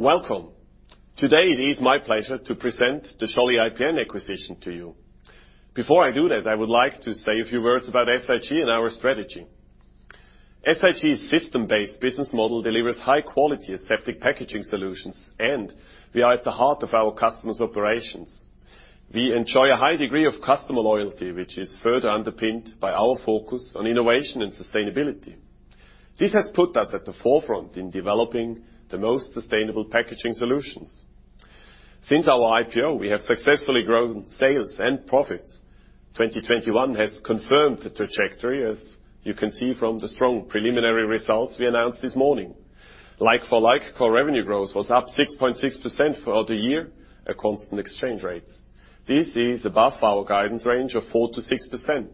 Welcome. Today it is my pleasure to present the Scholle IPN acquisition to you. Before I do that, I would like to say a few words about SIG and our strategy. SIG's system-based business model delivers high quality aseptic packaging solutions, and we are at the heart of our customers' operations. We enjoy a high degree of customer loyalty, which is further underpinned by our focus on innovation and sustainability. This has put us at the forefront in developing the most sustainable packaging solutions. Since our IPO, we have successfully grown sales and profits. 2021 has confirmed the trajectory, as you can see from the strong preliminary results we announced this morning. Like-for-like core revenue growth was up 6.6% throughout the year at constant exchange rates. This is above our guidance range of 4%-6%.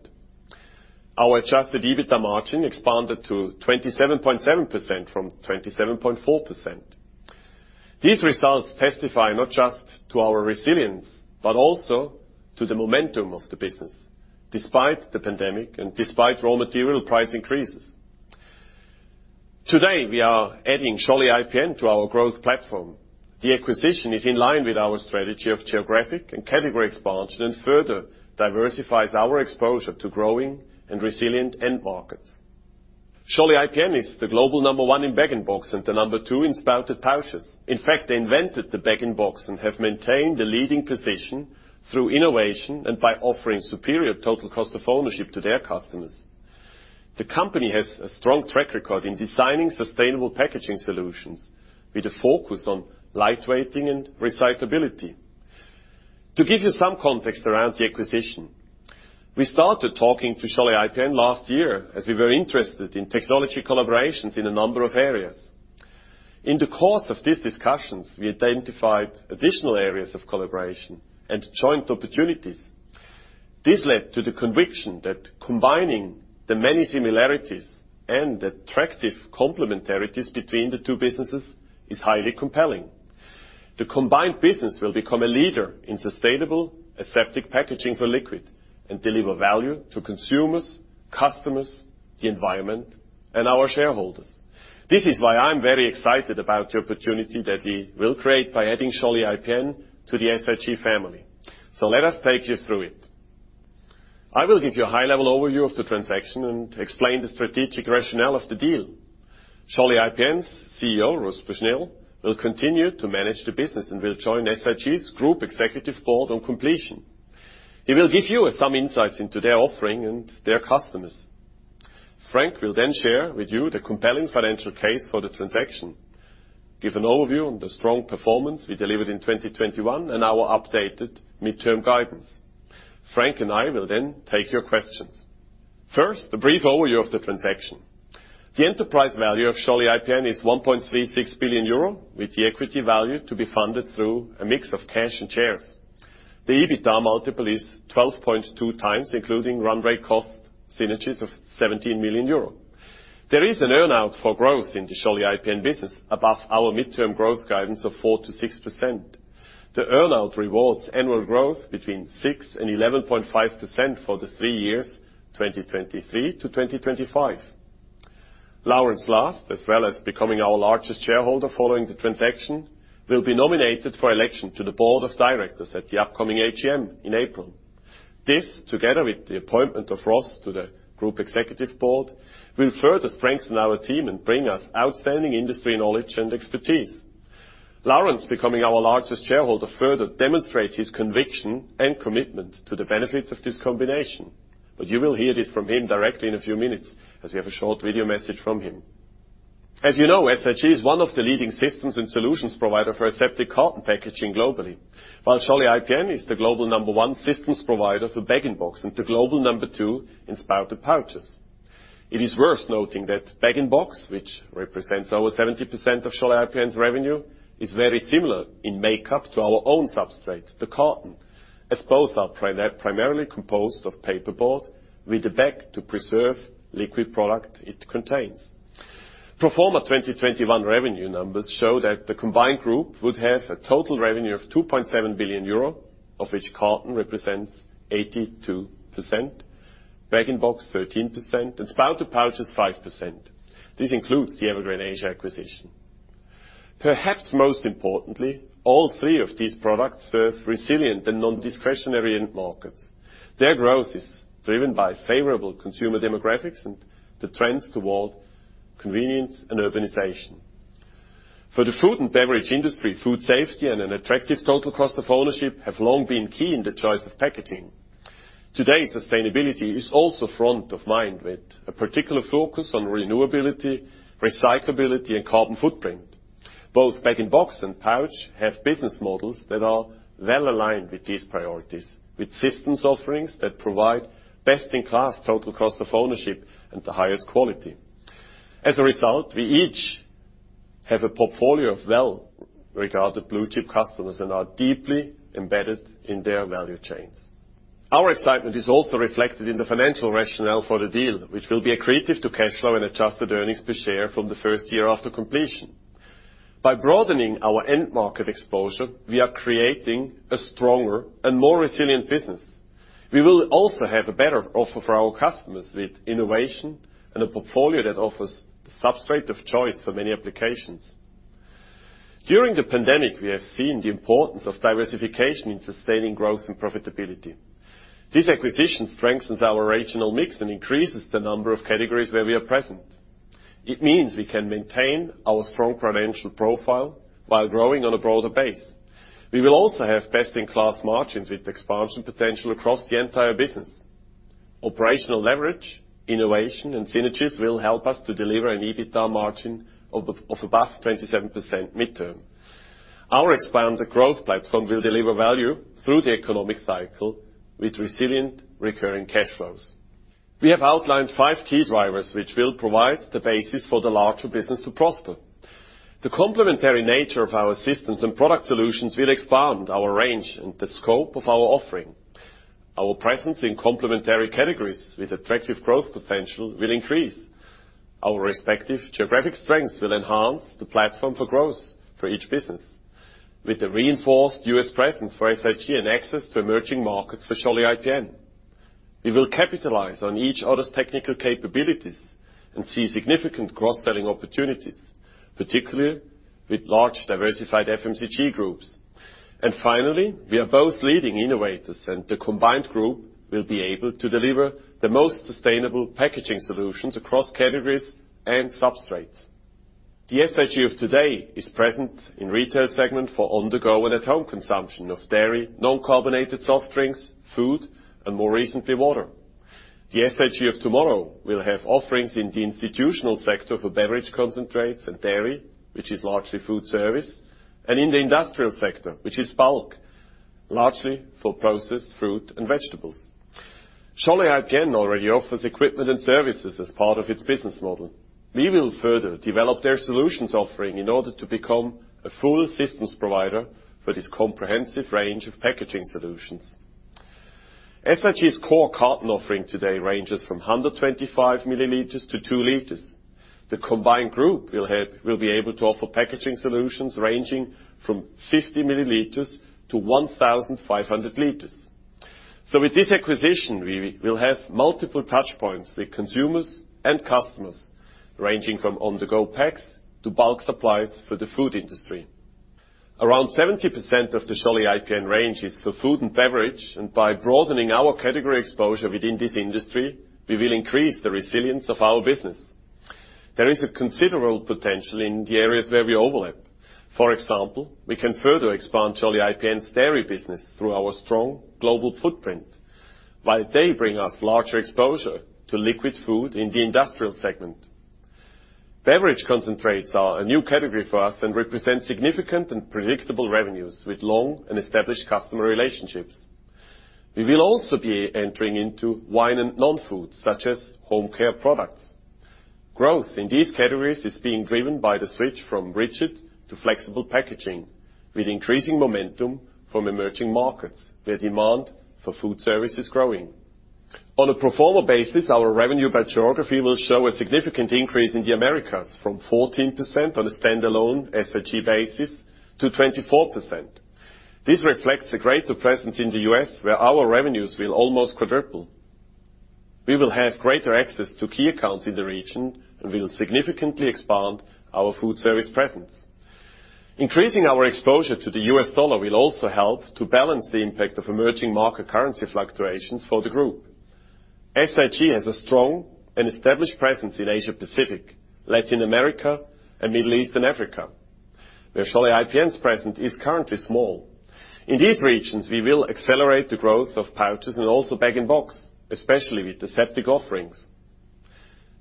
Our adjusted EBITDA margin expanded to 27.7% from 27.4%. These results testify not just to our resilience, but also to the momentum of the business, despite the pandemic and despite raw material price increases. Today, we are adding Scholle IPN to our growth platform. The acquisition is in line with our strategy of geographic and category expansion, and further diversifies our exposure to growing and resilient end markets. Scholle IPN is the global number one in bag-in-box and the number two in spouted pouches. In fact, they invented the bag-in-box and have maintained the leading position through innovation and by offering superior total cost of ownership to their customers. The company has a strong track record in designing sustainable packaging solutions with a focus on light-weighting and recyclability. To give you some context around the acquisition, we started talking to Scholle IPN last year as we were interested in technology collaborations in a number of areas. In the course of these discussions, we identified additional areas of collaboration and joint opportunities. This led to the conviction that combining the many similarities and attractive complementarities between the two businesses is highly compelling. The combined business will become a leader in sustainable aseptic packaging for liquids and to deliver value to consumers, customers, the environment, and our shareholders. This is why I'm very excited about the opportunity that we will create by adding Scholle IPN to the SIG family. Let us take you through it. I will give you a high-level overview of the transaction and explain the strategic rationale of the deal. Scholle IPN's CEO, Ross Bushnell, will continue to manage the business and will join SIG's group executive board on completion. He will give you some insights into their offering and their customers. Frank will then share with you the compelling financial case for the transaction, give an overview on the strong performance we delivered in 2021, and our updated midterm guidance. Frank and I will then take your questions. First, a brief overview of the transaction. The enterprise value of Scholle IPN is 1.36 billion euro, with the equity value to be funded through a mix of cash and shares. The EBITDA multiple is 12.2x, including runway cost synergies of 17 million euros. There is an earn-out for growth in the Scholle IPN business above our midterm growth guidance of 4%-6%. The earn-out rewards annual growth between 6%-11.5% for the three years 2023-2025. Laurens Last, as well as becoming our largest shareholder following the transaction, will be nominated for election to the board of directors at the upcoming AGM in April. This, together with the appointment of Ross to the group executive board, will further strengthen our team and bring us outstanding industry knowledge and expertise. Laurens becoming our largest shareholder further demonstrates his conviction and commitment to the benefits of this combination, but you will hear this from him directly in a few minutes as we have a short video message from him. As you know, SIG is one of the leading systems and solutions provider for aseptic carton packaging globally, while Scholle IPN is the global number one systems provider for bag-in-box and the global number two in spouted pouches. It is worth noting that bag-in-box, which represents over 70% of Scholle IPN's revenue, is very similar in makeup to our own substrate, the carton, as both are primarily composed of paperboard with a bag to preserve liquid product it contains. Pro forma 2021 revenue numbers show that the combined group would have a total revenue of 2.7 billion euro, of which carton represents 82%, bag-in-box 13%, and spouted pouch is 5%. This includes the Evergreen Asia acquisition. Perhaps most importantly, all three of these products serve resilient and non-discretionary end markets. Their growth is driven by favorable consumer demographics and the trends toward convenience and urbanization. For the food and beverage industry, food safety and an attractive total cost of ownership have long been key in the choice of packaging. Today, sustainability is also front of mind, with a particular focus on renewability, recyclability, and carbon footprint. Both bag-in-box and pouch have business models that are well-aligned with these priorities, with systems offerings that provide best-in-class total cost of ownership and the highest quality. As a result, we each have a portfolio of well-regarded blue chip customers and are deeply embedded in their value chains. Our excitement is also reflected in the financial rationale for the deal, which will be accretive to cash flow and adjusted earnings per share from the first year after completion. By broadening our end market exposure, we are creating a stronger and more resilient business. We will also have a better offer for our customers with innovation and a portfolio that offers the substrate of choice for many applications. During the pandemic, we have seen the importance of diversification in sustaining growth and profitability. This acquisition strengthens our regional mix and increases the number of categories where we are present. It means we can maintain our strong financial profile while growing on a broader base. We will also have best-in-class margins with expansion potential across the entire business. Operational leverage, innovation, and synergies will help us to deliver an EBITDA margin of above 27% midterm. Our expanded growth platform will deliver value through the economic cycle with resilient recurring cash flows. We have outlined five key drivers which will provide the basis for the larger business to prosper. The complementary nature of our systems and product solutions will expand our range and the scope of our offering. Our presence in complementary categories with attractive growth potential will increase. Our respective geographic strengths will enhance the platform for growth for each business. With a reinforced U.S. presence for SIG and access to emerging markets for Scholle IPN, we will capitalize on each other's technical capabilities and see significant cross-selling opportunities, particularly with large diversified FMCG groups. Finally, we are both leading innovators, and the combined group will be able to deliver the most sustainable packaging solutions across categories and substrates. The SIG of today is present in retail segment for on-the-go and at-home consumption of dairy, non-carbonated soft drinks, food, and more recently, water. The SIG of tomorrow will have offerings in the institutional sector for beverage concentrates and dairy, which is largely food service, and in the industrial sector, which is bulk, largely for processed fruit and vegetables. Scholle IPN already offers equipment and services as part of its business model. We will further develop their solutions offering in order to become a full systems provider for this comprehensive range of packaging solutions. SIG's core carton offering today ranges from 125 milliliters to 2 liters. The combined group will be able to offer packaging solutions ranging from 50 milliliters to 1,500 liters. With this acquisition, we'll have multiple touch points with consumers and customers, ranging from on-the-go packs to bulk supplies for the food industry. Around 70% of the Scholle IPN range is for food and beverage, and by broadening our category exposure within this industry, we will increase the resilience of our business. There is a considerable potential in the areas where we overlap. For example, we can further expand Scholle IPN's dairy business through our strong global footprint, while they bring us larger exposure to liquid food in the industrial segment. Beverage concentrates are a new category for us and represent significant and predictable revenues with long and established customer relationships. We will also be entering into wine and non-food, such as home care products. Growth in these categories is being driven by the switch from rigid to flexible packaging with increasing momentum from emerging markets where demand for food service is growing. On a pro forma basis, our revenue by geography will show a significant increase in the Americas from 14% on a stand-alone SIG basis to 24%. This reflects a greater presence in the U.S., where our revenues will almost quadruple. We will have greater access to key accounts in the region, and we'll significantly expand our food service presence. Increasing our exposure to the U.S. dollar will also help to balance the impact of emerging market currency fluctuations for the group. SIG has a strong and established presence in Asia-Pacific, Latin America, and Middle East and Africa, where Scholle IPN's presence is currently small. In these regions, we will accelerate the growth of pouches and also bag-in-box, especially with aseptic offerings.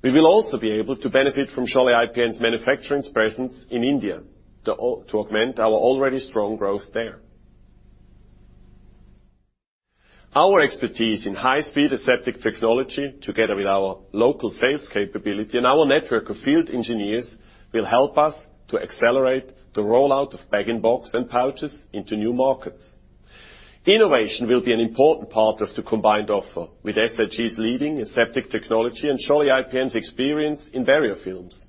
We will also be able to benefit from Scholle IPN's manufacturing presence in India to augment our already strong growth there. Our expertise in high-speed aseptic technology, together with our local sales capability and our network of field engineers, will help us to accelerate the rollout of bag-in-box and pouches into new markets. Innovation will be an important part of the combined offer with SIG's leading aseptic technology and Scholle IPN's experience in barrier films.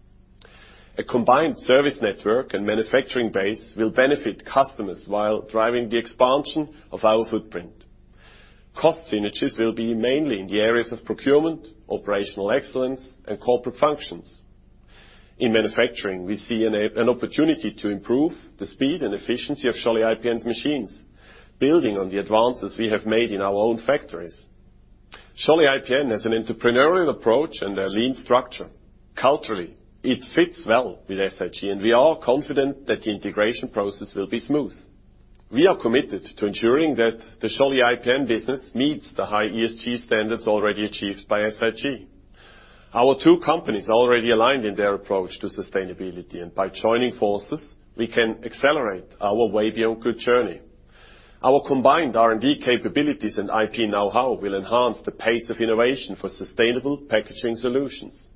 A combined service network and manufacturing base will benefit customers while driving the expansion of our footprint. Cost synergies will be mainly in the areas of procurement, operational excellence, and corporate functions. In manufacturing, we see an opportunity to improve the speed and efficiency of Scholle IPN's machines, building on the advances we have made in our own factories. Scholle IPN has an entrepreneurial approach and a lean structure. Culturally, it fits well with SIG, and we are confident that the integration process will be smooth. We are committed to ensuring that the Scholle IPN business meets the high ESG standards already achieved by SIG. Our two companies are already aligned in their approach to sustainability, and by joining forces, we can accelerate our Way Beyond Good journey. Our combined R&D capabilities and IP know-how will enhance the pace of innovation for sustainable packaging solutions.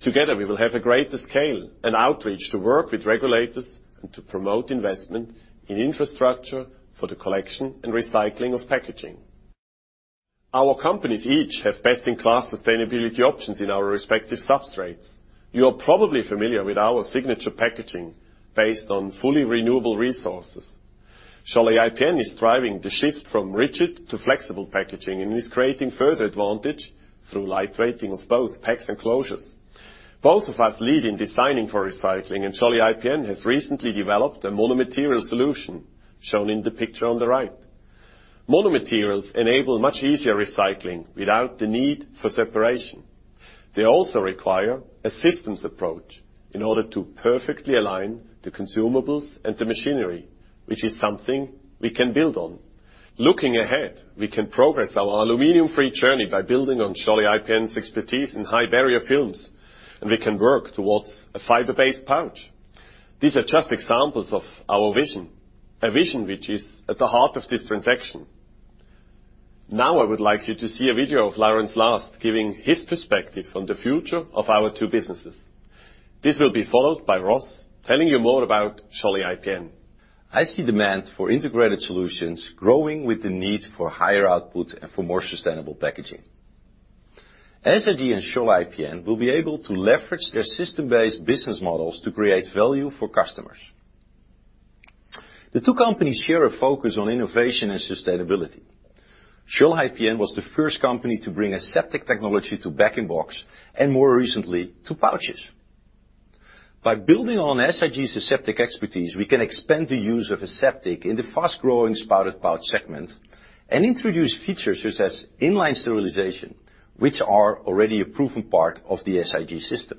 Together, we will have a greater scale and outreach to work with regulators and to promote investment in infrastructure for the collection and recycling of packaging. Our companies each have best-in-class sustainability options in our respective substrates. You are probably familiar with our signature packaging based on fully renewable resources. Scholle IPN is driving the shift from rigid to flexible packaging, and is creating further advantage through light-weighting of both packs and closures. Both of us lead in designing for recycling, and Scholle IPN has recently developed a mono-material solution, shown in the picture on the right. Mono-materials enable much easier recycling without the need for separation. They also require a systems approach in order to perfectly align the consumables and the machinery, which is something we can build on. Looking ahead, we can progress our aluminum-free journey by building on Scholle IPN's expertise in high-barrier films, and we can work towards a fiber-based pouch. These are just examples of our vision, a vision which is at the heart of this transaction. Now, I would like you to see a video of Laurens Last giving his perspective on the future of our two businesses. This will be followed by Ross telling you more about Scholle IPN. I see demand for integrated solutions growing with the need for higher output and for more sustainable packaging. SIG and Scholle IPN will be able to leverage their system-based business models to create value for customers. The two companies share a focus on innovation and sustainability. Scholle IPN was the first company to bring aseptic technology to bag-in-box, and more recently, to pouches. By building on SIG's aseptic expertise, we can expand the use of aseptic in the fast-growing spouted pouch segment and introduce features such as in-line sterilization, which are already a proven part of the SIG system.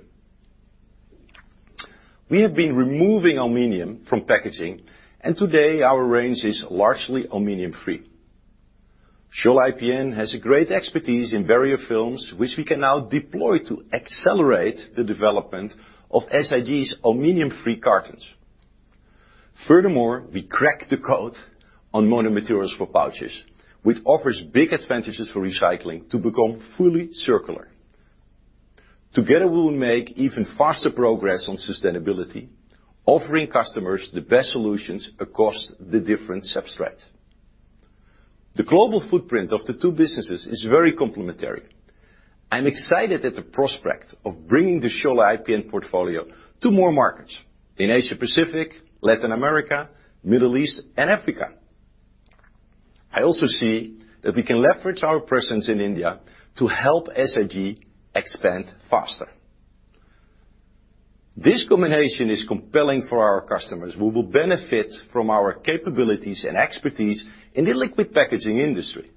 We have been removing aluminum from packaging, and today, our range is largely aluminum-free. Scholle IPN has a great expertise in barrier films, which we can now deploy to accelerate the development of SIG's aluminum-free cartons. Furthermore, we crack the code on mono-materials for pouches, which offers big advantages for recycling to become fully circular. Together, we will make even faster progress on sustainability, offering customers the best solutions across the different substrates. The global footprint of the two businesses is very complementary. I'm excited at the prospect of bringing the Scholle IPN portfolio to more markets in Asia-Pacific, Latin America, Middle East, and Africa. I also see that we can leverage our presence in India to help SIG expand faster. This combination is compelling for our customers, who will benefit from our capabilities and expertise in the liquid packaging industry.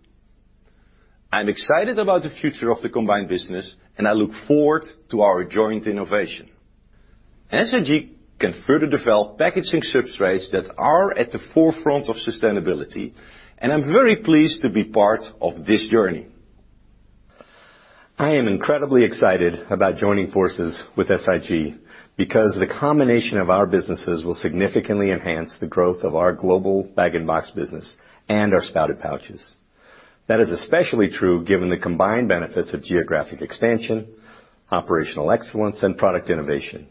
I'm excited about the future of the combined business, and I look forward to our joint innovation. SIG can further develop packaging substrates that are at the forefront of sustainability, and I'm very pleased to be part of this journey. I am incredibly excited about joining forces with SIG because the combination of our businesses will significantly enhance the growth of our global bag-in-box business and our spouted pouches. That is especially true given the combined benefits of geographic expansion, operational excellence, and product innovation.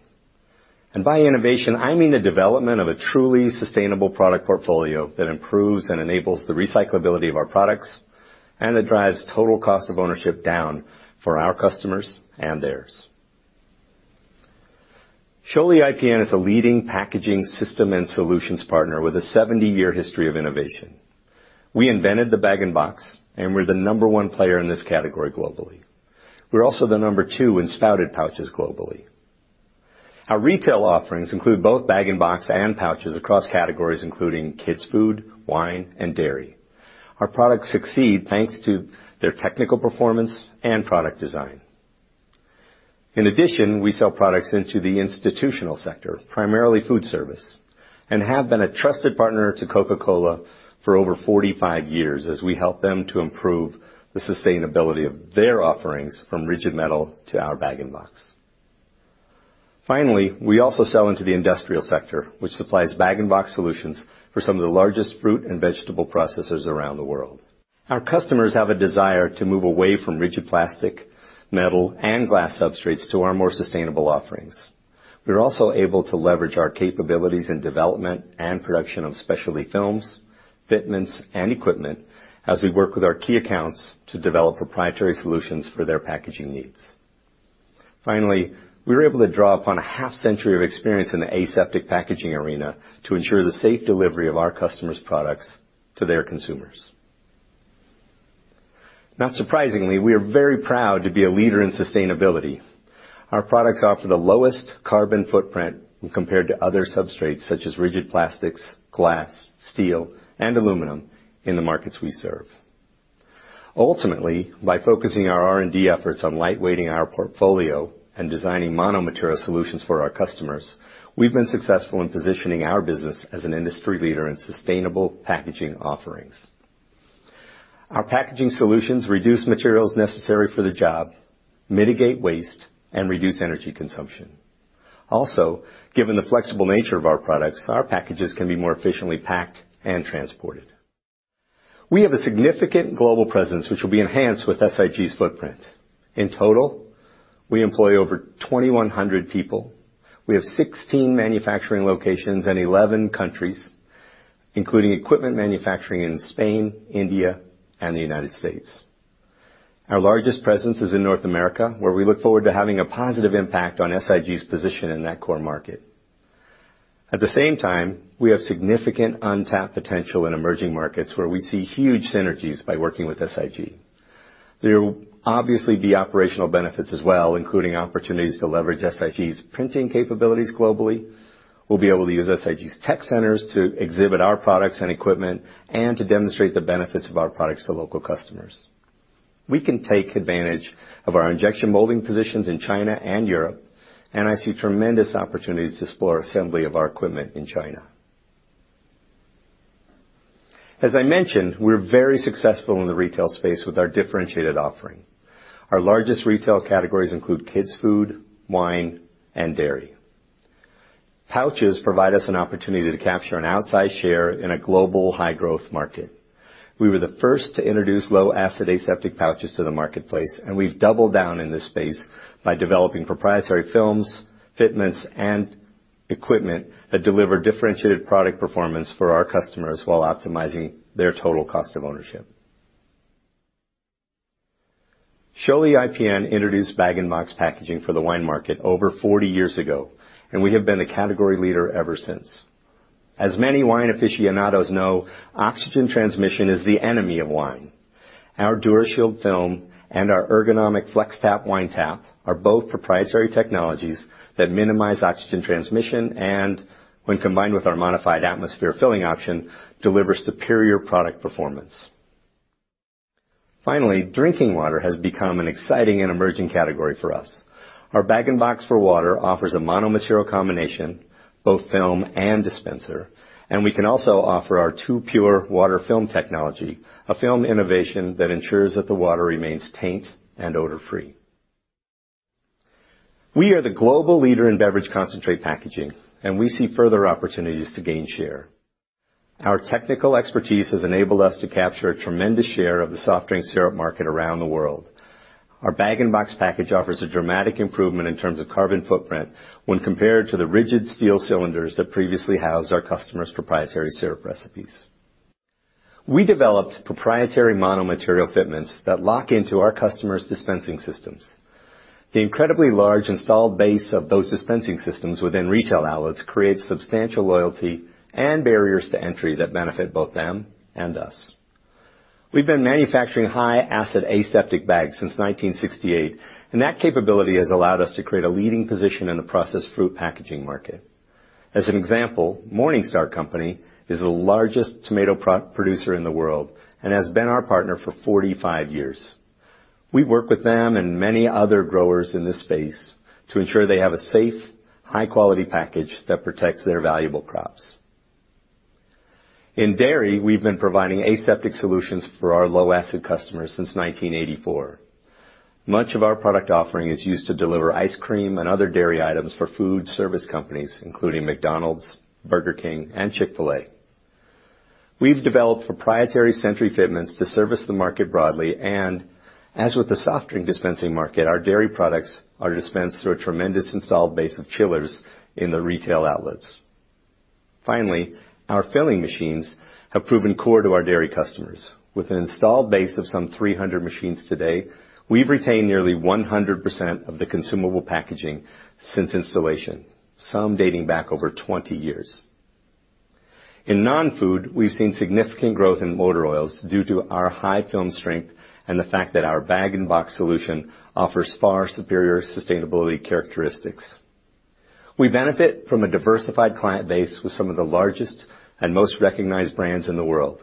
By innovation, I mean the development of a truly sustainable product portfolio that improves and enables the recyclability of our products, and that drives total cost of ownership down for our customers and theirs. Scholle IPN is a leading packaging system and solutions partner with a 70-year history of innovation. We invented the bag-in-box, and we're the number 1 player in this category globally. We're also the number two in spouted pouches globally. Our retail offerings include both bag-in-box and pouches across categories including kids' food, wine, and dairy. Our products succeed thanks to their technical performance and product design. In addition, we sell products into the institutional sector, primarily food service, and have been a trusted partner to Coca-Cola for over 45 years as we help them to improve the sustainability of their offerings from rigid metal to our bag-in-box. Finally, we also sell into the industrial sector, which supplies bag-in-box solutions for some of the largest fruit and vegetable processors around the world. Our customers have a desire to move away from rigid plastic, metal, and glass substrates to our more sustainable offerings. We're also able to leverage our capabilities in development and production of specialty films, fitments, and equipment as we work with our key accounts to develop proprietary solutions for their packaging needs. Finally, we're able to draw upon a half-century of experience in the aseptic packaging arena to ensure the safe delivery of our customers' products to their consumers. Not surprisingly, we are very proud to be a leader in sustainability. Our products offer the lowest carbon footprint when compared to other substrates such as rigid plastics, glass, steel, and aluminum in the markets we serve. Ultimately, by focusing our R&D efforts on light-weighting our portfolio and designing mono-material solutions for our customers, we've been successful in positioning our business as an industry leader in sustainable packaging offerings. Our packaging solutions reduce materials necessary for the job, mitigate waste, and reduce energy consumption. Also, given the flexible nature of our products, our packages can be more efficiently packed and transported. We have a significant global presence, which will be enhanced with SIG's footprint. In total, we employ over 2,100 people. We have 16 manufacturing locations in 11 countries, including equipment manufacturing in Spain, India, and the United States. Our largest presence is in North America, where we look forward to having a positive impact on SIG's position in that core market. At the same time, we have significant untapped potential in emerging markets where we see huge synergies by working with SIG. There will obviously be operational benefits as well, including opportunities to leverage SIG's printing capabilities globally. We'll be able to use SIG's tech centers to exhibit our products and equipment and to demonstrate the benefits of our products to local customers. We can take advantage of our injection molding positions in China and Europe, and I see tremendous opportunities to explore assembly of our equipment in China. As I mentioned, we're very successful in the retail space with our differentiated offering. Our largest retail categories include kids' food, wine, and dairy. Pouches provide us an opportunity to capture an outsized share in a global high-growth market. We were the first to introduce low-acid aseptic pouches to the marketplace, and we've doubled down in this space by developing proprietary films, fitments, and equipment that deliver differentiated product performance for our customers while optimizing their total cost of ownership. Scholle IPN introduced bag-in-box packaging for the wine market over 40 years ago, and we have been a category leader ever since. As many wine aficionados know, oxygen transmission is the enemy of wine. Our DuraShield film and our ergonomic FlexTap wine tap are both proprietary technologies that minimize oxygen transmission and when combined with our modified atmosphere filling option, deliver superior product performance. Finally, drinking water has become an exciting and emerging category for us. Our bag-in-box for water offers a mono-material combination, both film and dispenser, and we can also offer our 2Pure water film technology, a film innovation that ensures that the water remains taint and odor-free. We are the global leader in beverage concentrate packaging, and we see further opportunities to gain share. Our technical expertise has enabled us to capture a tremendous share of the soft drink syrup market around the world. Our bag-in-box package offers a dramatic improvement in terms of carbon footprint when compared to the rigid steel cylinders that previously housed our customers' proprietary syrup recipes. We developed proprietary mono-material fitments that lock into our customers' dispensing systems. The incredibly large installed base of those dispensing systems within retail outlets creates substantial loyalty and barriers to entry that benefit both them and us. We've been manufacturing high-acid aseptic bags since 1968, and that capability has allowed us to create a leading position in the processed fruit packaging market. As an example, The Morning Star Company is the largest tomato producer in the world and has been our partner for 45 years. We work with them and many other growers in this space to ensure they have a safe, high-quality package that protects their valuable crops. In dairy, we've been providing aseptic solutions for our low-acid customers since 1984. Much of our product offering is used to deliver ice cream and other dairy items for food service companies, including McDonald's, Burger King, and Chick-fil-A. We've developed proprietary Sentry fitments to service the market broadly, and as with the soft drink dispensing market, our dairy products are dispensed through a tremendous installed base of chillers in the retail outlets. Finally, our filling machines have proven core to our dairy customers. With an installed base of some 300 machines today, we've retained nearly 100% of the consumable packaging since installation, some dating back over 20 years. In non-food, we've seen significant growth in motor oils due to our high film strength and the fact that our bag-in-box solution offers far superior sustainability characteristics. We benefit from a diversified client base with some of the largest and most recognized brands in the world.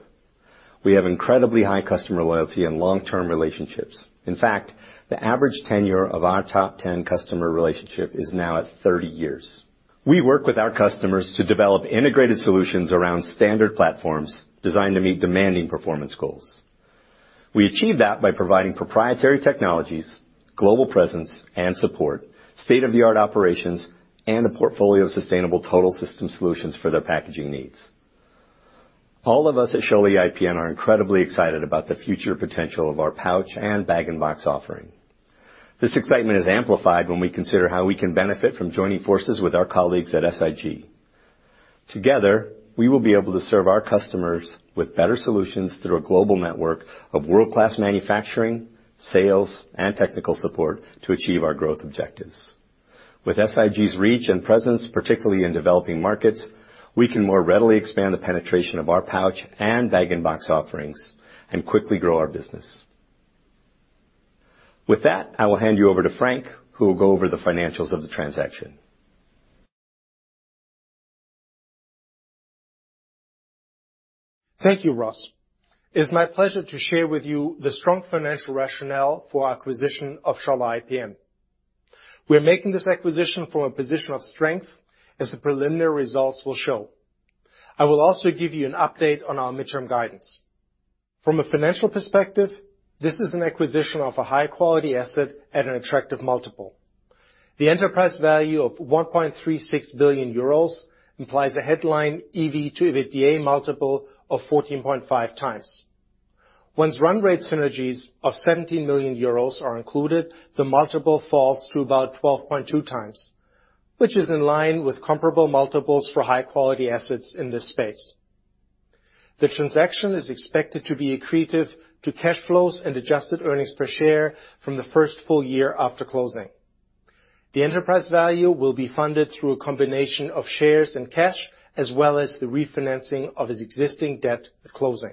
We have incredibly high customer loyalty and long-term relationships. In fact, the average tenure of our top 10 customer relationship is now at 30 years. We work with our customers to develop integrated solutions around standard platforms designed to meet demanding performance goals. We achieve that by providing proprietary technologies, global presence and support, state-of-the-art operations, and a portfolio of sustainable total system solutions for their packaging needs. All of us at Scholle IPN are incredibly excited about the future potential of our pouch and bag-in-box offering. This excitement is amplified when we consider how we can benefit from joining forces with our colleagues at SIG. Together, we will be able to serve our customers with better solutions through a global network of world-class manufacturing, sales, and technical support to achieve our growth objectives. With SIG's reach and presence, particularly in developing markets, we can more readily expand the penetration of our pouch and bag-in-box offerings and quickly grow our business. With that, I will hand you over to Frank, who will go over the financials of the transaction. Thank you, Ross. It is my pleasure to share with you the strong financial rationale for our acquisition of Scholle IPN. We're making this acquisition from a position of strength as the preliminary results will show. I will also give you an update on our midterm guidance. From a financial perspective, this is an acquisition of a high-quality asset at an attractive multiple. The enterprise value of 1.36 billion euros implies a headline EV/EBITDA multiple of 14.5x. Once run rate synergies of 70 million euros are included, the multiple falls to about 12.2x, which is in line with comparable multiples for high-quality assets in this space. The transaction is expected to be accretive to cash flows and adjusted earnings per share from the first full year after closing. The enterprise value will be funded through a combination of shares and cash, as well as the refinancing of its existing debt at closing.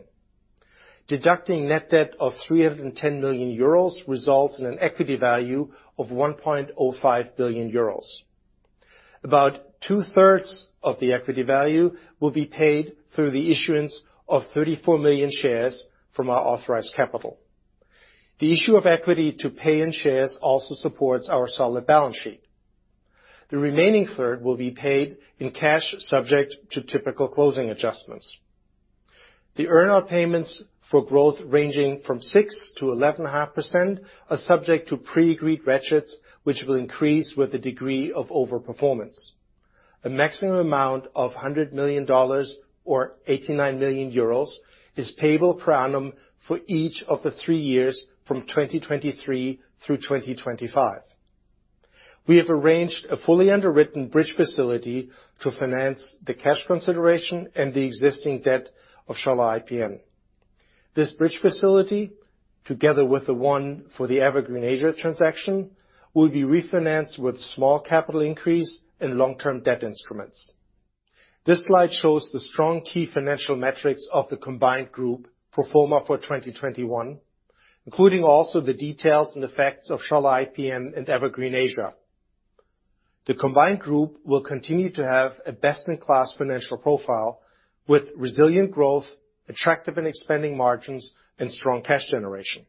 Deducting net debt of 310 million euros results in an equity value of 1.05 billion euros. About two-thirds of the equity value will be paid through the issuance of 34 million shares from our authorized capital. The issue of equity to pay in shares also supports our solid balance sheet. The remaining third will be paid in cash subject to typical closing adjustments. The earn-out payments for growth ranging from 6%-11.5% are subject to pre-agreed ratchets, which will increase with the degree of over-performance. A maximum amount of $100 million or 89 million euros is payable per annum for each of the three years from 2023 through 2025. We have arranged a fully underwritten bridge facility to finance the cash consideration and the existing debt of Scholle IPN. This bridge facility, together with the one for the Evergreen Asia transaction, will be refinanced with small capital increase and long-term debt instruments. This slide shows the strong key financial metrics of the combined group pro forma for 2021, including also the details and effects of Scholle IPN and Evergreen Asia. The combined group will continue to have a best-in-class financial profile with resilient growth, attractive and expanding margins, and strong cash generation.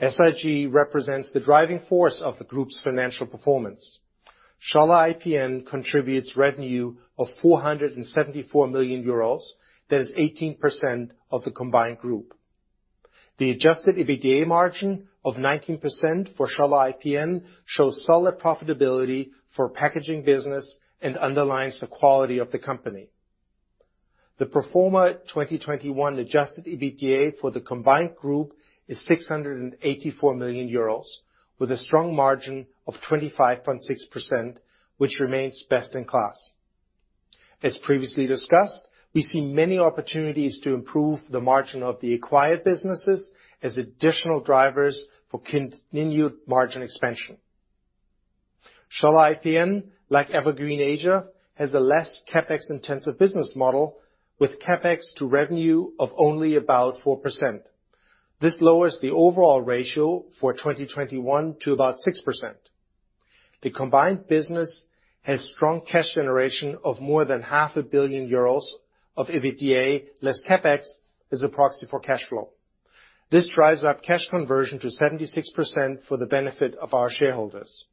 SIG represents the driving force of the group's financial performance. Scholle IPN contributes revenue of 474 million euros. That is 18% of the combined group. The adjusted EBITDA margin of 19% for Scholle IPN shows solid profitability for packaging business and underlines the quality of the company. The pro forma 2021 adjusted EBITDA for the combined group is 684 million euros with a strong margin of 25.6%, which remains best in class. As previously discussed, we see many opportunities to improve the margin of the acquired businesses as additional drivers for continued margin expansion. Scholle IPN, like Evergreen Asia, has a less CapEx intensive business model with CapEx to revenue of only about 4%. This lowers the overall ratio for 2021 to about 6%. The combined business has strong cash generation of more than half a billion EUR of EBITDA, less CapEx as a proxy for cash flow. This drives up cash conversion to 76% for the benefit of our shareholders.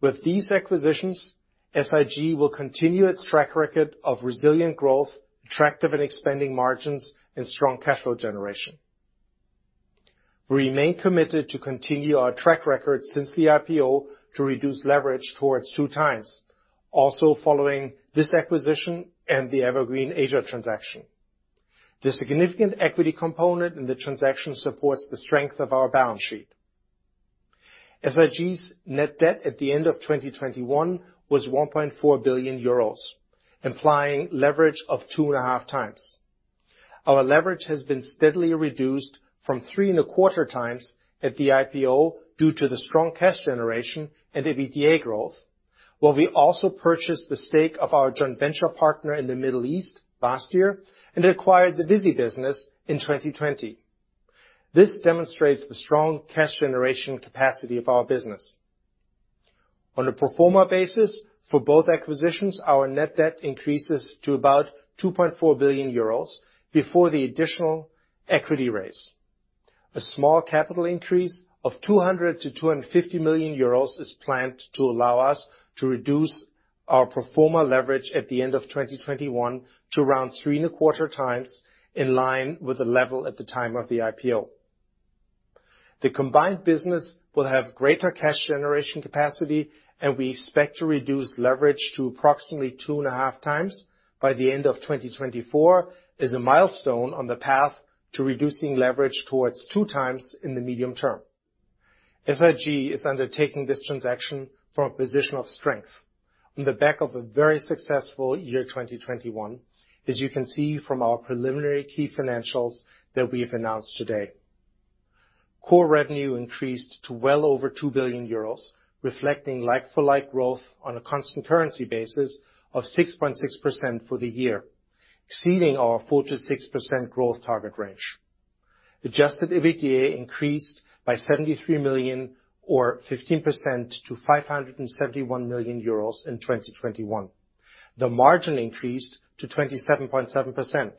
With these acquisitions, SIG will continue its track record of resilient growth, attractive and expanding margins, and strong cash flow generation. We remain committed to continue our track record since the IPO to reduce leverage towards 2x, also following this acquisition and the Evergreen Asia transaction. The significant equity component in the transaction supports the strength of our balance sheet. SIG's net debt at the end of 2021 was 1.4 billion euros, implying leverage of 2.5x. Our leverage has been steadily reduced from 3.25x at the IPO due to the strong cash generation and EBITDA growth, while we also purchased the stake of our joint venture partner in the Middle East last year and acquired the Visy business in 2020. This demonstrates the strong cash generation capacity of our business. On a pro forma basis for both acquisitions, our net debt increases to about 2.4 billion euros before the additional equity raise. A small capital increase of 200 million-250 million euros is planned to allow us to reduce our pro forma leverage at the end of 2021 to around 3.25x, in line with the level at the time of the IPO. The combined business will have greater cash generation capacity, and we expect to reduce leverage to approximately 2.5x by the end of 2024 as a milestone on the path to reducing leverage towards 2x in the medium term. SIG is undertaking this transaction from a position of strength on the back of a very successful year, 2021, as you can see from our preliminary key financials that we have announced today. Core revenue increased to well over 2 billion euros, reflecting like-for-like growth on a constant currency basis of 6.6% for the year, exceeding our 4%-6% growth target range. Adjusted EBITDA increased by 73 million or 15% to 571 million euros in 2021. The margin increased to 27.7%.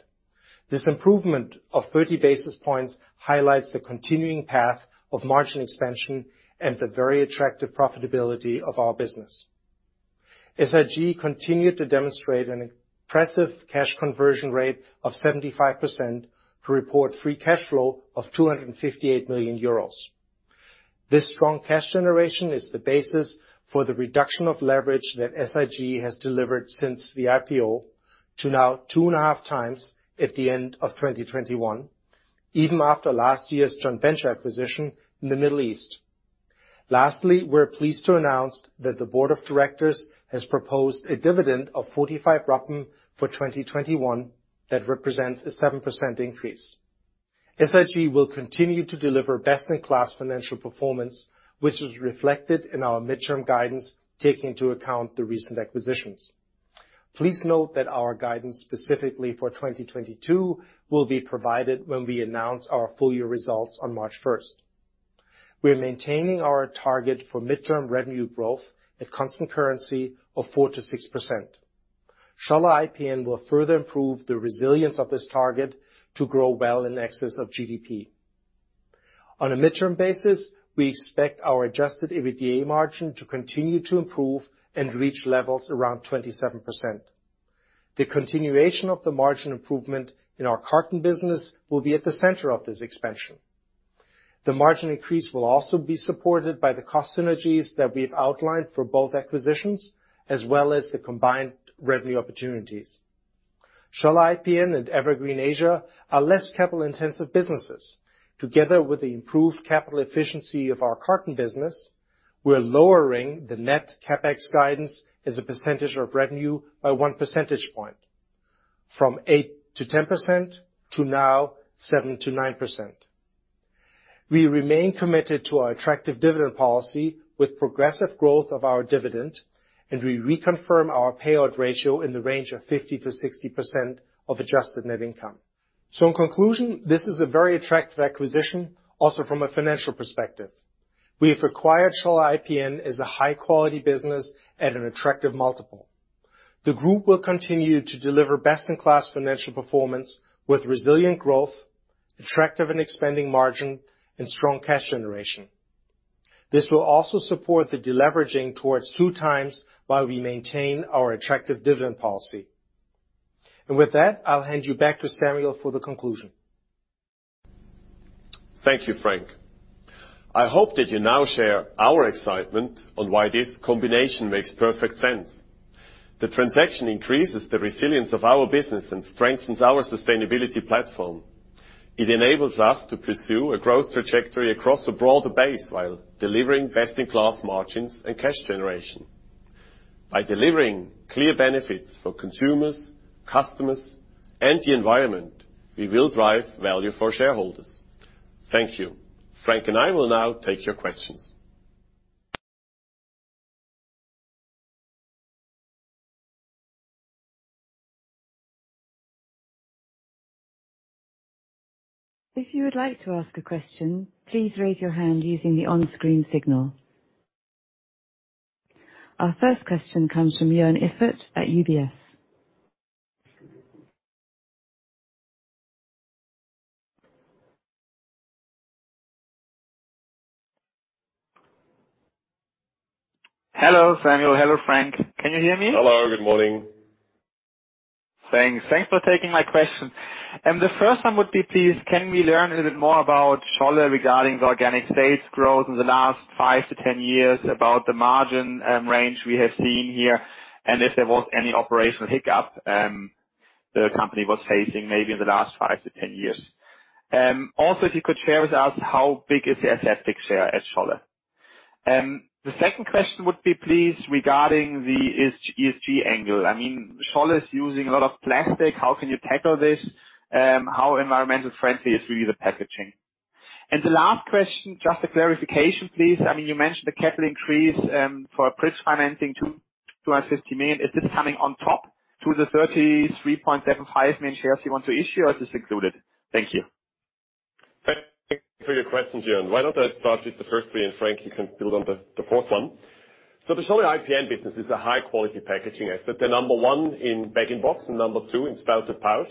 This improvement of 30 basis points highlights the continuing path of margin expansion and the very attractive profitability of our business. SIG continued to demonstrate an impressive cash conversion rate of 75% to report free cash flow of 258 million euros. This strong cash generation is the basis for the reduction of leverage that SIG has delivered since the IPO to now 2.5x at the end of 2021, even after last year's joint venture acquisition in the Middle East. We're pleased to announce that the board of directors has proposed a dividend of CHF 0.45 for 2021 that represents a 7% increase. SIG will continue to deliver best-in-class financial performance, which is reflected in our mid-term guidance, taking into account the recent acquisitions. Please note that our guidance specifically for 2022 will be provided when we announce our full-year results on March 1. We are maintaining our target for mid-term revenue growth at constant currency of 4%-6%. Scholle IPN will further improve the resilience of this target to grow well in excess of GDP. On a midterm basis, we expect our adjusted EBITDA margin to continue to improve and reach levels around 27%. The continuation of the margin improvement in our carton business will be at the center of this expansion. The margin increase will also be supported by the cost synergies that we've outlined for both acquisitions as well as the combined revenue opportunities. Scholle IPN and Evergreen Asia are less capital-intensive businesses. Together with the improved capital efficiency of our carton business, we're lowering the net CapEx guidance as a percentage of revenue by one percentage point from 8%-10% to now 7%-9%. We remain committed to our attractive dividend policy with progressive growth of our dividend, and we reconfirm our payout ratio in the range of 50%-60% of adjusted net income. In conclusion, this is a very attractive acquisition also from a financial perspective. We have acquired Scholle IPN as a high quality business at an attractive multiple. The group will continue to deliver best in class financial performance with resilient growth, attractive and expanding margin and strong cash generation. This will also support the deleveraging towards two times while we maintain our attractive dividend policy. With that, I'll hand you back to Samuel for the conclusion. Thank you, Frank. I hope that you now share our excitement on why this combination makes perfect sense. The transaction increases the resilience of our business and strengthens our sustainability platform. It enables us to pursue a growth trajectory across a broader base while delivering best in class margins and cash generation. By delivering clear benefits for consumers, customers and the environment, we will drive value for shareholders. Thank you. Frank and I will now take your questions. If you would like to ask a question, please raise your hand using the on-screen signal. Our first question comes from Joern Iffert at UBS. Hello, Samuel. Hello, Frank. Can you hear me? Hello, good morning. Thanks. Thanks for taking my question. The first one would be, please, can we learn a little bit more about Scholle regarding the organic sales growth in the last five to 10 years, about the margin range we have seen here, and if there was any operational hiccup the company was facing maybe in the last five to 10 years? Also, if you could share with us how big is the aseptic share at Scholle? The second question would be, please, regarding the ESG angle. I mean, Scholle is using a lot of plastic. How can you tackle this? How environmentally friendly is really the packaging? The last question, just a clarification, please. I mean, you mentioned the capital increase for bridge financing to €150 million. Is this coming on top to the 33.75 million shares you want to issue or is this included? Thank you. Thank you for your questions, Joern. Why don't I start with the first three, and Frank, you can build on the fourth one. The Scholle IPN business is a high quality packaging asset. They're number one in bag-in-box and number two in spouted pouch.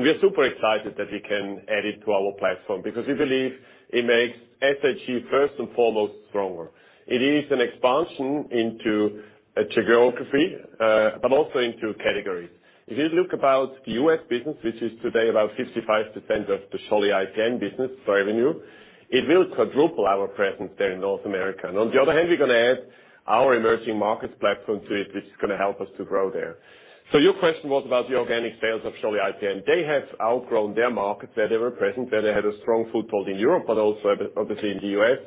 We are super excited that we can add it to our platform because we believe it makes SIG first and foremost, stronger. It is an expansion into a geography, but also into categories. If you look at the U.S. business, which is today about 55% of the Scholle IPN business revenue, it will quadruple our presence there in North America. On the other hand, we're gonna add our emerging markets platform to it, which is gonna help us to grow there. Your question was about the organic sales of Scholle IPN. They have outgrown their markets, where they were present, where they had a strong foothold in Europe, but also obviously in the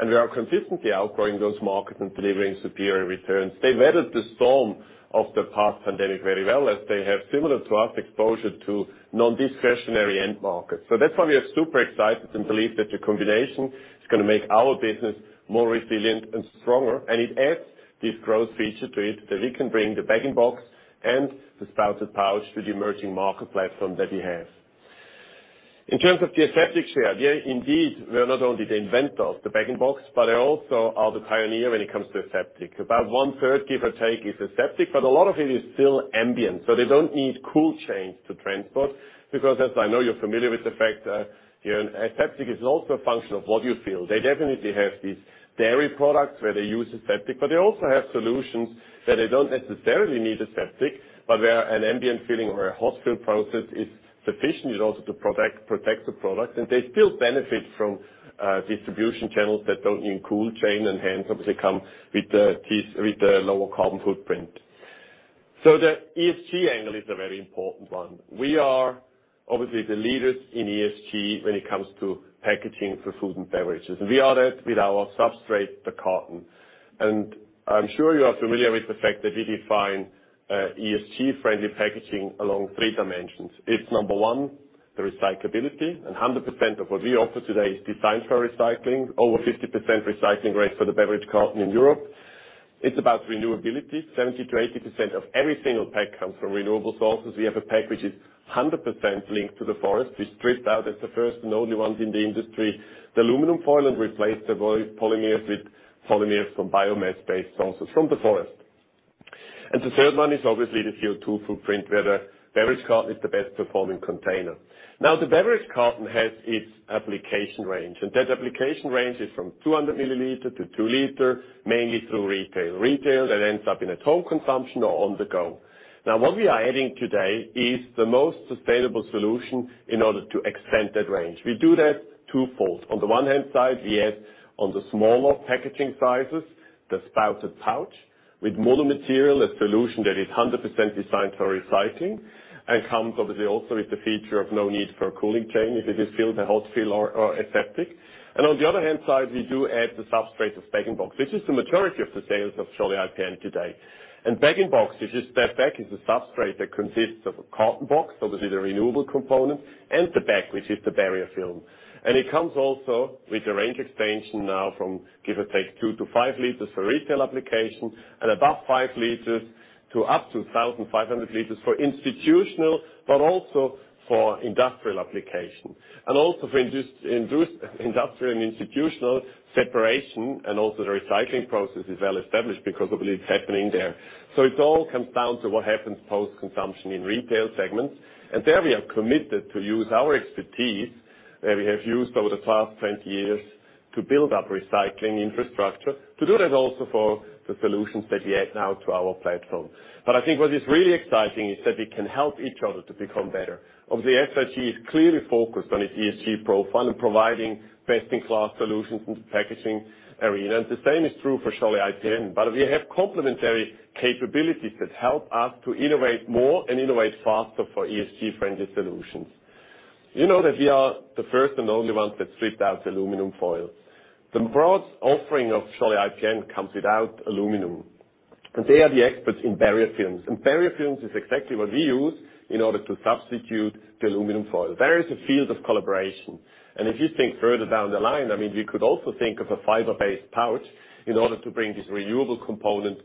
U.S. We are consistently outgrowing those markets and delivering superior returns. They weathered the storm of the past pandemic very well as they have similar to us, exposure to non-discretionary end markets. That's why we are super excited and believe that the combination is gonna make our business more resilient and stronger, and it adds this growth feature to it that we can bring the bag-in-box and the spouted pouch to the emerging market platform that we have. In terms of the aseptic share, yeah, indeed. We are not only the inventors of the bag-in-box, but they also are the pioneer when it comes to aseptic. About one-third, give or take, is aseptic, but a lot of it is still ambient, so they don't need cold chains to transport. Because as I know you're familiar with the fact, aseptic is also a function of what you fill. They definitely have these dairy products where they use aseptic, but they also have solutions where they don't necessarily need aseptic, but where an ambient filling or a hot fill process is sufficient. It also to protect the product, and they still benefit from distribution channels that don't need cold chain and hence obviously come with the lower carbon footprint. The ESG angle is a very important one. We are obviously the leaders in ESG when it comes to packaging for food and beverages, and we are that with our substrate, the carton. I'm sure you are familiar with the fact that we define ESG-friendly packaging along three dimensions. It's number one, the recyclability, and 100% of what we offer today is designed for recycling. Over 50% recycling rate for the beverage carton in Europe. It's about renewability. 70%-80% of every single pack comes from renewable sources. We have a pack which is 100% linked to the forest. We stripped out as the first and only ones in the industry, the aluminum foil, and replaced the polymers with polymers from biomass-based sources from the forest. The third one is obviously the CO2 footprint, where the beverage carton is the best performing container. Now, the beverage carton has its application range, and that application range is from 200 ml to 2 L, mainly through retail. Retail that ends up in at-home consumption or on the go. Now, what we are adding today is the most sustainable solution in order to extend that range. We do that twofold. On the one hand side, we add, on the smaller packaging sizes, the spouted pouch with mono-material, a solution that is 100% designed for recycling and comes obviously also with the feature of no need for a cooling chain if it is filled or hot fill or aseptic. On the other hand side, we do add the substrate of bag-in-box. This is the majority of the sales of Scholle IPN today. bag-in-box is just that bag is a substrate that consists of a carton box, obviously the renewable component, and the bag, which is the barrier film. It comes also with a range extension now from, give or take, 2-5 liters for retail application and above 5 liters to up to 1,500 liters for institutional, but also for industrial application. It also for industrial and institutional separation and also the recycling process is well established because obviously it's happening there. It all comes down to what happens post-consumption in retail segments. There we are committed to use our expertise, that we have used over the past 20 years to build up recycling infrastructure, to do that also for the solutions that we add now to our platform. I think what is really exciting is that we can help each other to become better. Obviously, SIG is clearly focused on its ESG profile and providing best-in-class solutions in the packaging arena. The same is true for Scholle IPN, but we have complementary capabilities that help us to innovate more and innovate faster for ESG-friendly solutions. You know that we are the first and the only ones that stripped out aluminum foil. The broad offering of Scholle IPN comes without aluminum, and they are the experts in barrier films. Barrier films is exactly what we use in order to substitute the aluminum foil. There is a field of collaboration. If you think further down the line, I mean, we could also think of a fiber-based pouch in order to bring this renewable component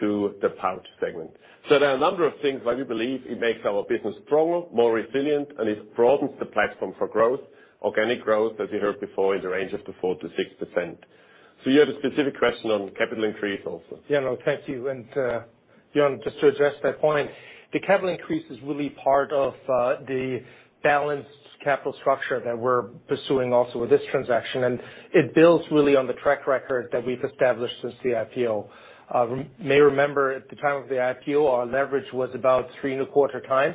to the pouch segment. There are a number of things why we believe it makes our business stronger, more resilient, and it broadens the platform for growth. Organic growth, as you heard before, is a range of 4%-6%. You had a specific question on capital increase also. Yeah, no, thank you. Joern, just to address that point, the capital increase is really part of the balanced capital structure that we're pursuing also with this transaction. It builds really on the track record that we've established since the IPO. You may remember at the time of the IPO, our leverage was about 3.25x.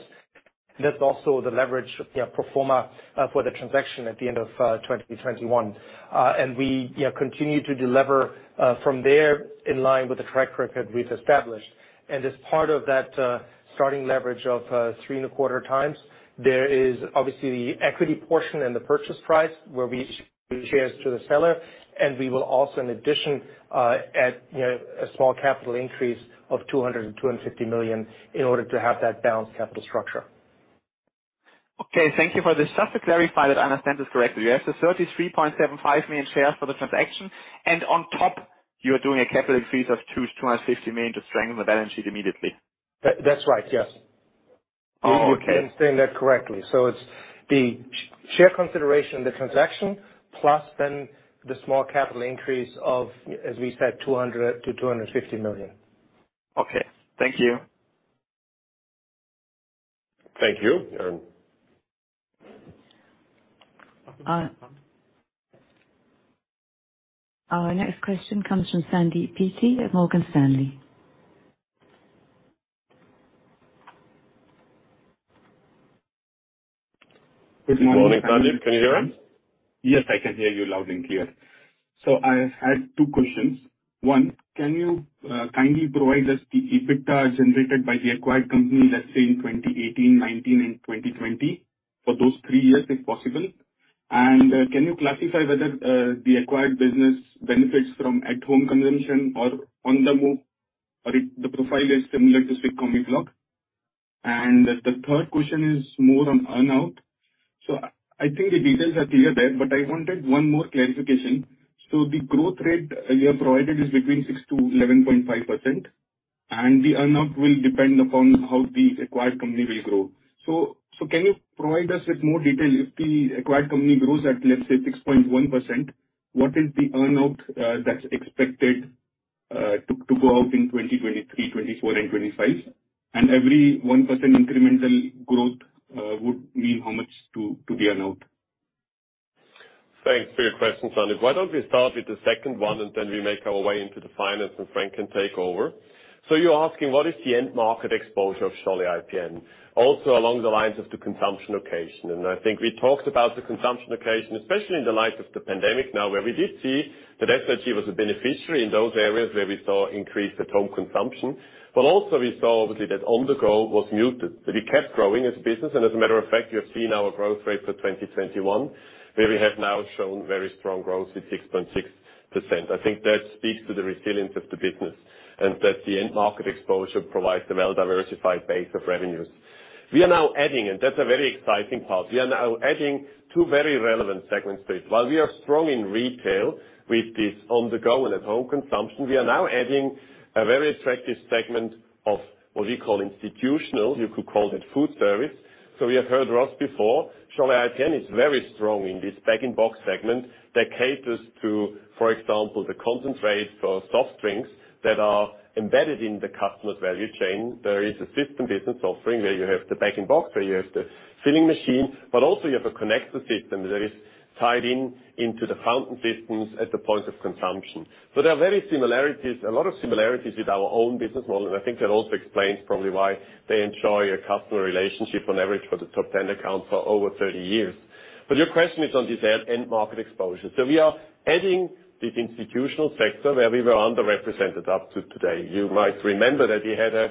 That's also the leverage, you know, pro forma for the transaction at the end of 2021. We, you know, continue to delever from there in line with the track record we've established. As part of that, starting leverage of 3.25x, there is obviously the equity portion and the purchase price where we issue shares to the seller, and we will also, in addition, add, you know, a small capital increase of 250 million in order to have that balanced capital structure. Okay, thank you for this. Just to clarify that I understand this correctly. You have the 33.75 million shares for the transaction, and on top you are doing a capital increase of 2 million-250 million to strengthen the balance sheet immediately. That's right, yes. Oh, okay. You understand that correctly. It's the share consideration of the transaction plus then the small capital increase of, as we said, 200 million-250 million. Okay. Thank you. Thank you, Joern. Our next question comes from Sandeep Deshpande at JPMorgan. Good morning, Sandeep. Can you hear us? Yes, I can hear you loud and clear. I had two questions. One, can you kindly provide us the EBITDA generated by the acquired company, let's say in 2018, 2019 and 2020, for those three years, if possible? And can you classify whether the acquired business benefits from at-home consumption or on the move, or the profile is similar to SIG Combibloc? The third question is more on earn-out. I think the details are clear there, but I wanted one more clarification. The growth rate you have provided is between 6%-11.5%, and the earn-out will depend upon how the acquired company will grow. Can you provide us with more detail? If the acquired company grows at, let's say, 6.1%, what is the earn-out that's expected to go out in 2023, 2024 and 2025? Every 1% incremental growth would mean how much to the earn-out? Thanks for your question, Sandeep. Why don't we start with the second one, and then we make our way into the finance, and Frank can take over. You're asking, what is the end market exposure of Scholle IPN? Also along the lines of the consumption occasion. I think we talked about the consumption occasion, especially in the light of the pandemic now, where we did see that FMCG was a beneficiary in those areas where we saw increased at-home consumption. Also we saw, obviously, that on-the-go was muted. We kept growing as a business, and as a matter of fact, you have seen our growth rate for 2021, where we have now shown very strong growth at 6.6%. I think that speaks to the resilience of the business and that the end market exposure provides a well-diversified base of revenues. We are now adding, and that's a very exciting part. We are now adding two very relevant segments to it. While we are strong in retail with this on-the-go and at-home consumption, we are now adding a very attractive segment of what we call institutional. You could call it food service. We have heard Ross before. Scholle IPN is very strong in this bag-in-box segment that caters to, for example, the concentrates for soft drinks that are embedded in the customer's value chain. There is a system business offering, where you have the bag-in-box, where you have the filling machine, but also you have a connector system that is tied into the fountain systems at the point of consumption. There are very many similarities, a lot of similarities with our own business model, and I think that also explains probably why they enjoy a customer relationship on average for the top 10 accounts for over 30 years. Your question is on this end market exposure. We are adding this institutional sector where we were underrepresented up to today. You might remember that we had a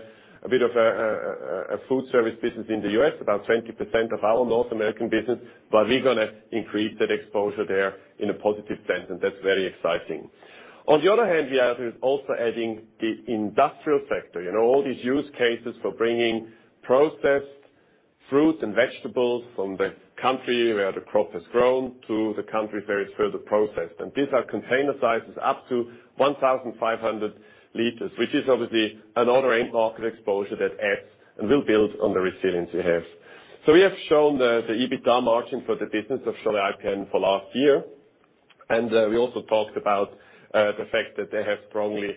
food service business in the U.S., about 20% of our North American business, but we're gonna increase that exposure there in a positive sense, and that's very exciting. On the other hand, we are also adding the industrial sector. You know, all these use cases for bringing processed fruits and vegetables from the country where the crop has grown to the country where it's further processed. These are container sizes up to 1,500 liters, which is obviously another end market exposure that adds and will build on the resilience we have. We have shown the EBITDA margin for the business of Scholle IPN for last year. We also talked about the fact that they have strongly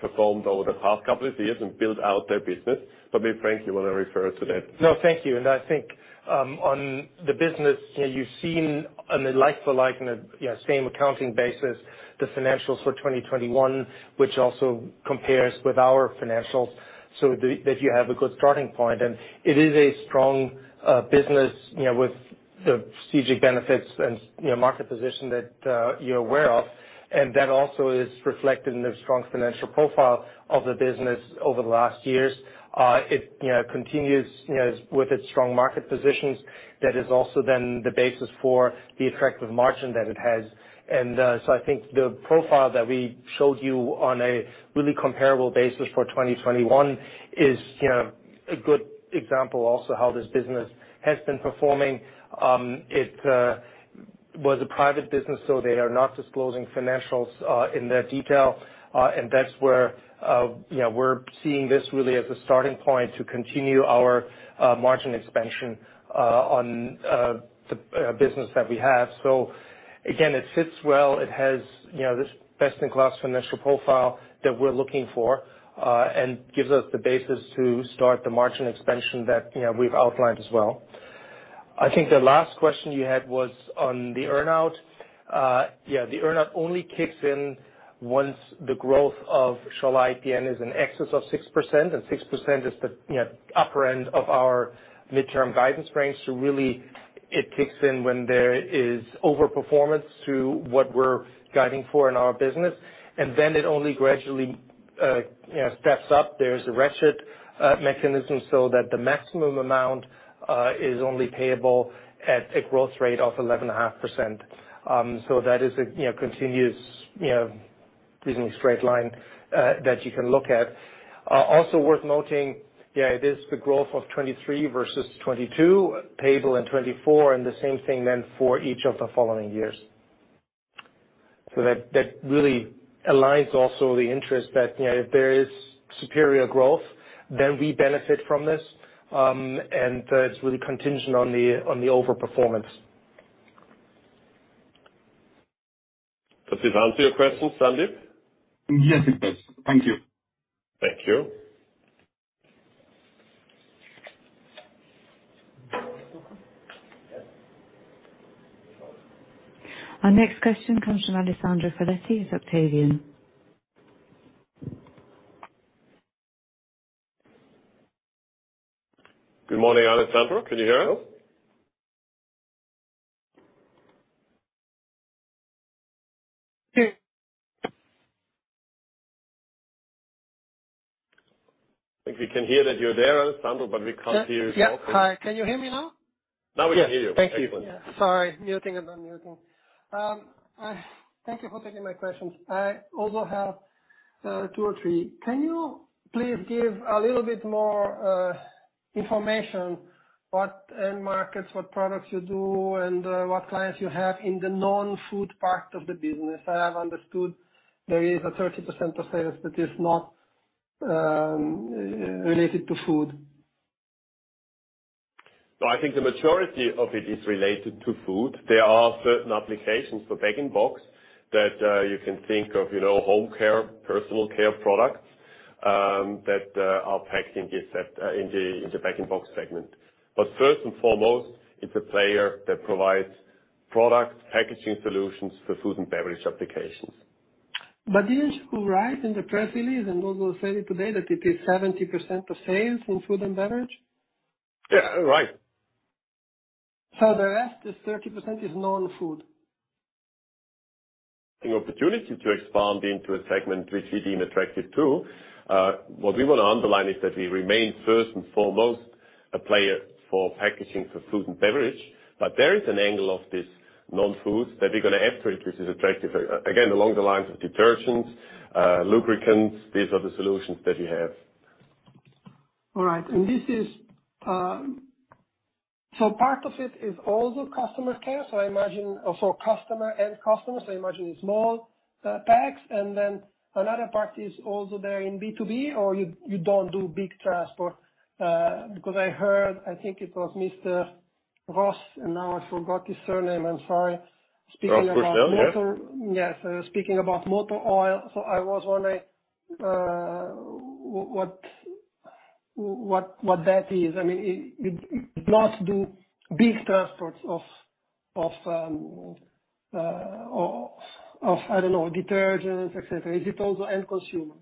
performed over the past couple of years and built out their business. Maybe Frank, you wanna refer to that. No, thank you. I think on the business, you know, you've seen on a like-for-like, same accounting basis, the financials for 2021, which also compares with our financials so that you have a good starting point. It is a strong business, you know, with the strategic benefits and, you know, market position that you're aware of, and that also is reflected in the strong financial profile of the business over the last years. It you know, continues, you know, with its strong market positions. That is also then the basis for the attractive margin that it has. So I think the profile that we showed you on a really comparable basis for 2021 is, you know, a good example also how this business has been performing. It was a private business, so they are not disclosing financials in detail. That's where you know, we're seeing this really as a starting point to continue our margin expansion on the business that we have. Again, it fits well. It has you know, this best in class financial profile that we're looking for and gives us the basis to start the margin expansion that you know, we've outlined as well. I think the last question you had was on the earn-out. Yeah, the earn-out only kicks in once the growth of Scholle IPN is in excess of 6%, and 6% is the you know, upper end of our midterm guidance range. Really it kicks in when there is overperformance to what we're guiding for in our business. Then it only gradually, you know, steps up. There is a ratchet mechanism so that the maximum amount is only payable at a growth rate of 11.5%. That is a, you know, continuous, you know, reasonably straight line that you can look at. Also worth noting, it is the growth of 2023 versus 2022, payable in 2024, and the same thing then for each of the following years. That really aligns also the interest that, you know, if there is superior growth, then we benefit from this. It's really contingent on the overperformance. Does this answer your question, Sandeep? Yes, it does. Thank you. Thank you. Our next question comes from Alessandro Foletti of Octavian. Good morning, Alessandro. Can you hear us? I think we can hear that you're there, Alessandro, but we can't hear you well. Yeah. Hi. Can you hear me now? Now we can hear you. Thank you. Excellent. Thank you for taking my questions. I also have two or three. Can you please give a little bit more information, what end markets, what products you do, and what clients you have in the non-food part of the business? I have understood there is a 30% of sales that is not related to food. I think the majority of it is related to food. There are certain applications for bag-in-box that you can think of, you know, home care, personal care products. Our packaging is in the bag-in-box segment. First and foremost, it's a player that provides product packaging solutions for food and beverage applications. Didn't you write in the press release and also said it today that it is 70% of sales in food and beverage? Yeah. Right. The rest is 30% non-food. Opportunity to expand into a segment which we deem attractive too. What we wanna underline is that we remain first and foremost a player for packaging for food and beverage. There is an angle of this non-food that we're gonna enter, which is attractive. Again, along the lines of detergents, lubricants. These are the solutions that we have. Part of it is also customer care, so I imagine also customer end customers, small packs, and then another part is also there in B2B, or you don't do big transport? Because I heard, I think it was Mr. Ross, and now I forgot his surname, I'm sorry, speaking about motor- Ross Bushnell? Yes. Yes. Speaking about motor oil, I was wondering what that is. I mean, it not do big transports of, I don't know, detergents, et cetera. Is it also end consumer?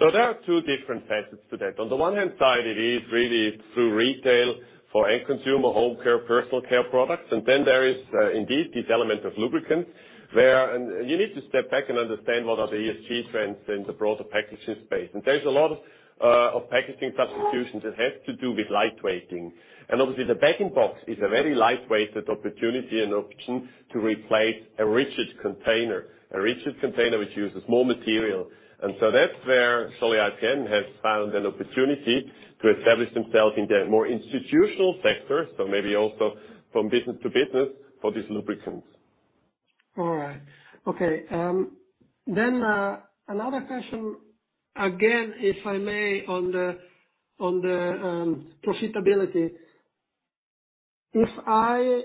No, there are two different facets to that. On the one hand side, it is really through retail for end consumer, home care, personal care products. Then there is indeed this element of lubricants where you need to step back and understand what are the ESG trends in the broader packaging space. There's a lot of packaging substitutions that have to do with light-weighting. Obviously the bag and box is a very light-weighted opportunity and option to replace a rigid container which uses more material. So that's where Scholle IPN has found an opportunity to establish themselves in the more institutional sector, so maybe also from business to business, for these lubricants. All right. Okay. Another question, again, if I may, on the profitability. If I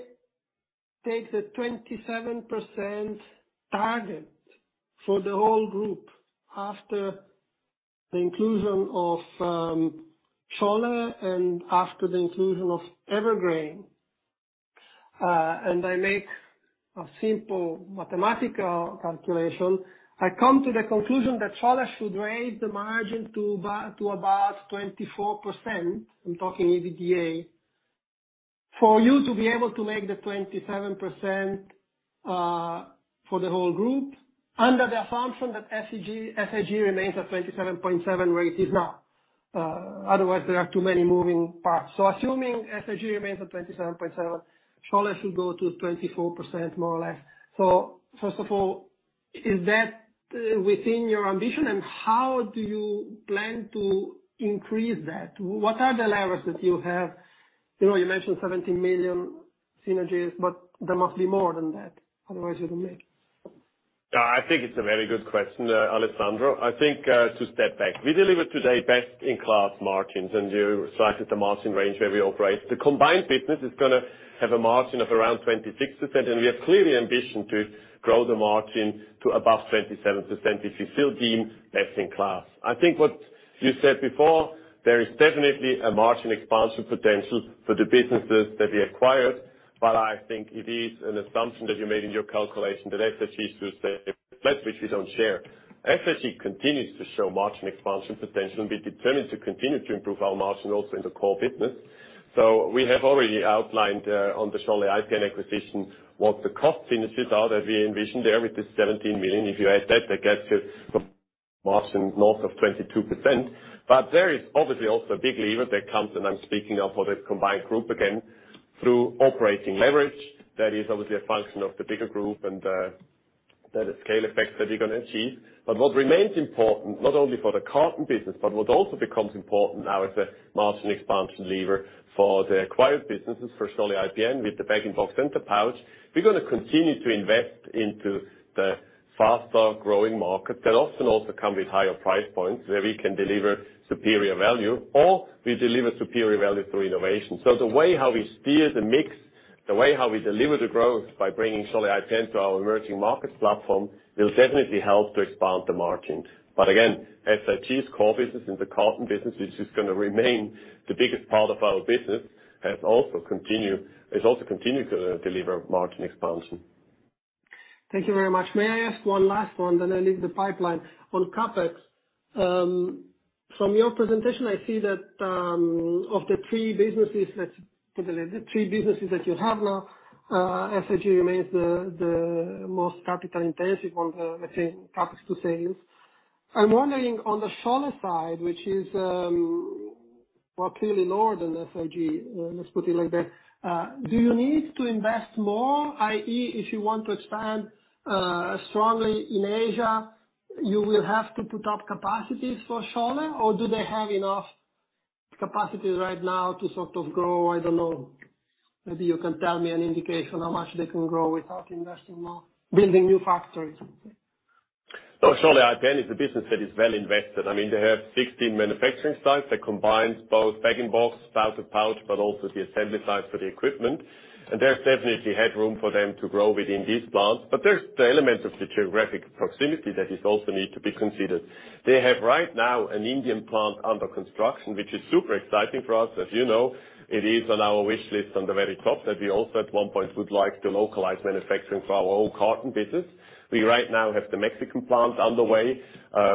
take the 27% target for the whole group after the inclusion of Scholle and after the inclusion of Evergreen, and I make a simple mathematical calculation, I come to the conclusion that Scholle should raise the margin to about 24%, I'm talking EBITDA, for you to be able to make the 27% for the whole group under the assumption that SIG remains at 27.7% where it is now. Otherwise there are too many moving parts. Assuming SIG remains at 27.7%, Scholle should go to 24% more or less. First of all, is that within your ambition, and how do you plan to increase that? What are the levers that you have? You know, you mentioned 17 million synergies, but there must be more than that, otherwise you won't make it. Yeah, I think it's a very good question, Alessandro. I think to step back, we deliver today best in class margins, and you cited the margin range where we operate. The combined business is gonna have a margin of around 26%, and we have clearly ambition to grow the margin to above 27%, which we still deem best in class. I think what you said before, there is definitely a margin expansion potential for the businesses that we acquired, but I think it is an assumption that you made in your calculation that SIG stays flat, which we don't share. SIG continues to show margin expansion potential, and we're determined to continue to improve our margin also in the core business. We have already outlined on the Scholle IPN acquisition what the cost synergies are that we envision there with this 17 million. If you add that gets you a margin north of 22%. There is obviously also a big lever that comes, and I'm speaking now for the combined group again, through operating leverage. That is obviously a function of the bigger group and there are scale effects that you're gonna achieve. What remains important, not only for the carton business, but what also becomes important now is the margin expansion lever for the acquired businesses, for Scholle IPN with the bag and box and the pouch. We're gonna continue to invest into the faster-growing markets that often also come with higher price points where we can deliver superior value, or we deliver superior value through innovation. The way how we steer the mix, the way how we deliver the growth by bringing Scholle IPN to our emerging markets platform will definitely help to expand the margins. Again, SIG's core business is the carton business, which is gonna remain the biggest part of our business. It's also continued to deliver margin expansion. Thank you very much. May I ask one last one, then I leave the pipeline. On CapEx, from your presentation, I see that of the three businesses that you have now, SIG remains the most capital intensive on the, let's say, CapEx to sales. I'm wondering on the Scholle side, which is, well, clearly lower than SIG, let's put it like that. Do you need to invest more, i.e., if you want to expand strongly in Asia, you will have to put up capacities for Scholle? Or do they have enough capacity right now to sort of grow? I don't know. Maybe you can tell me an indication how much they can grow without investing more, building new factories. No, surely IPN is a business that is well invested. I mean, they have 16 manufacturing sites that combines both bag-in-box, spouted pouch, but also the assembly sites for the equipment. There's definitely headroom for them to grow within these plants. There's the element of the geographic proximity that is also need to be considered. They have right now an Indian plant under construction, which is super exciting for us. As you know, it is on our wish list on the very top that we also, at one point, would like to localize manufacturing for our own carton business. We right now have the Mexican plant underway,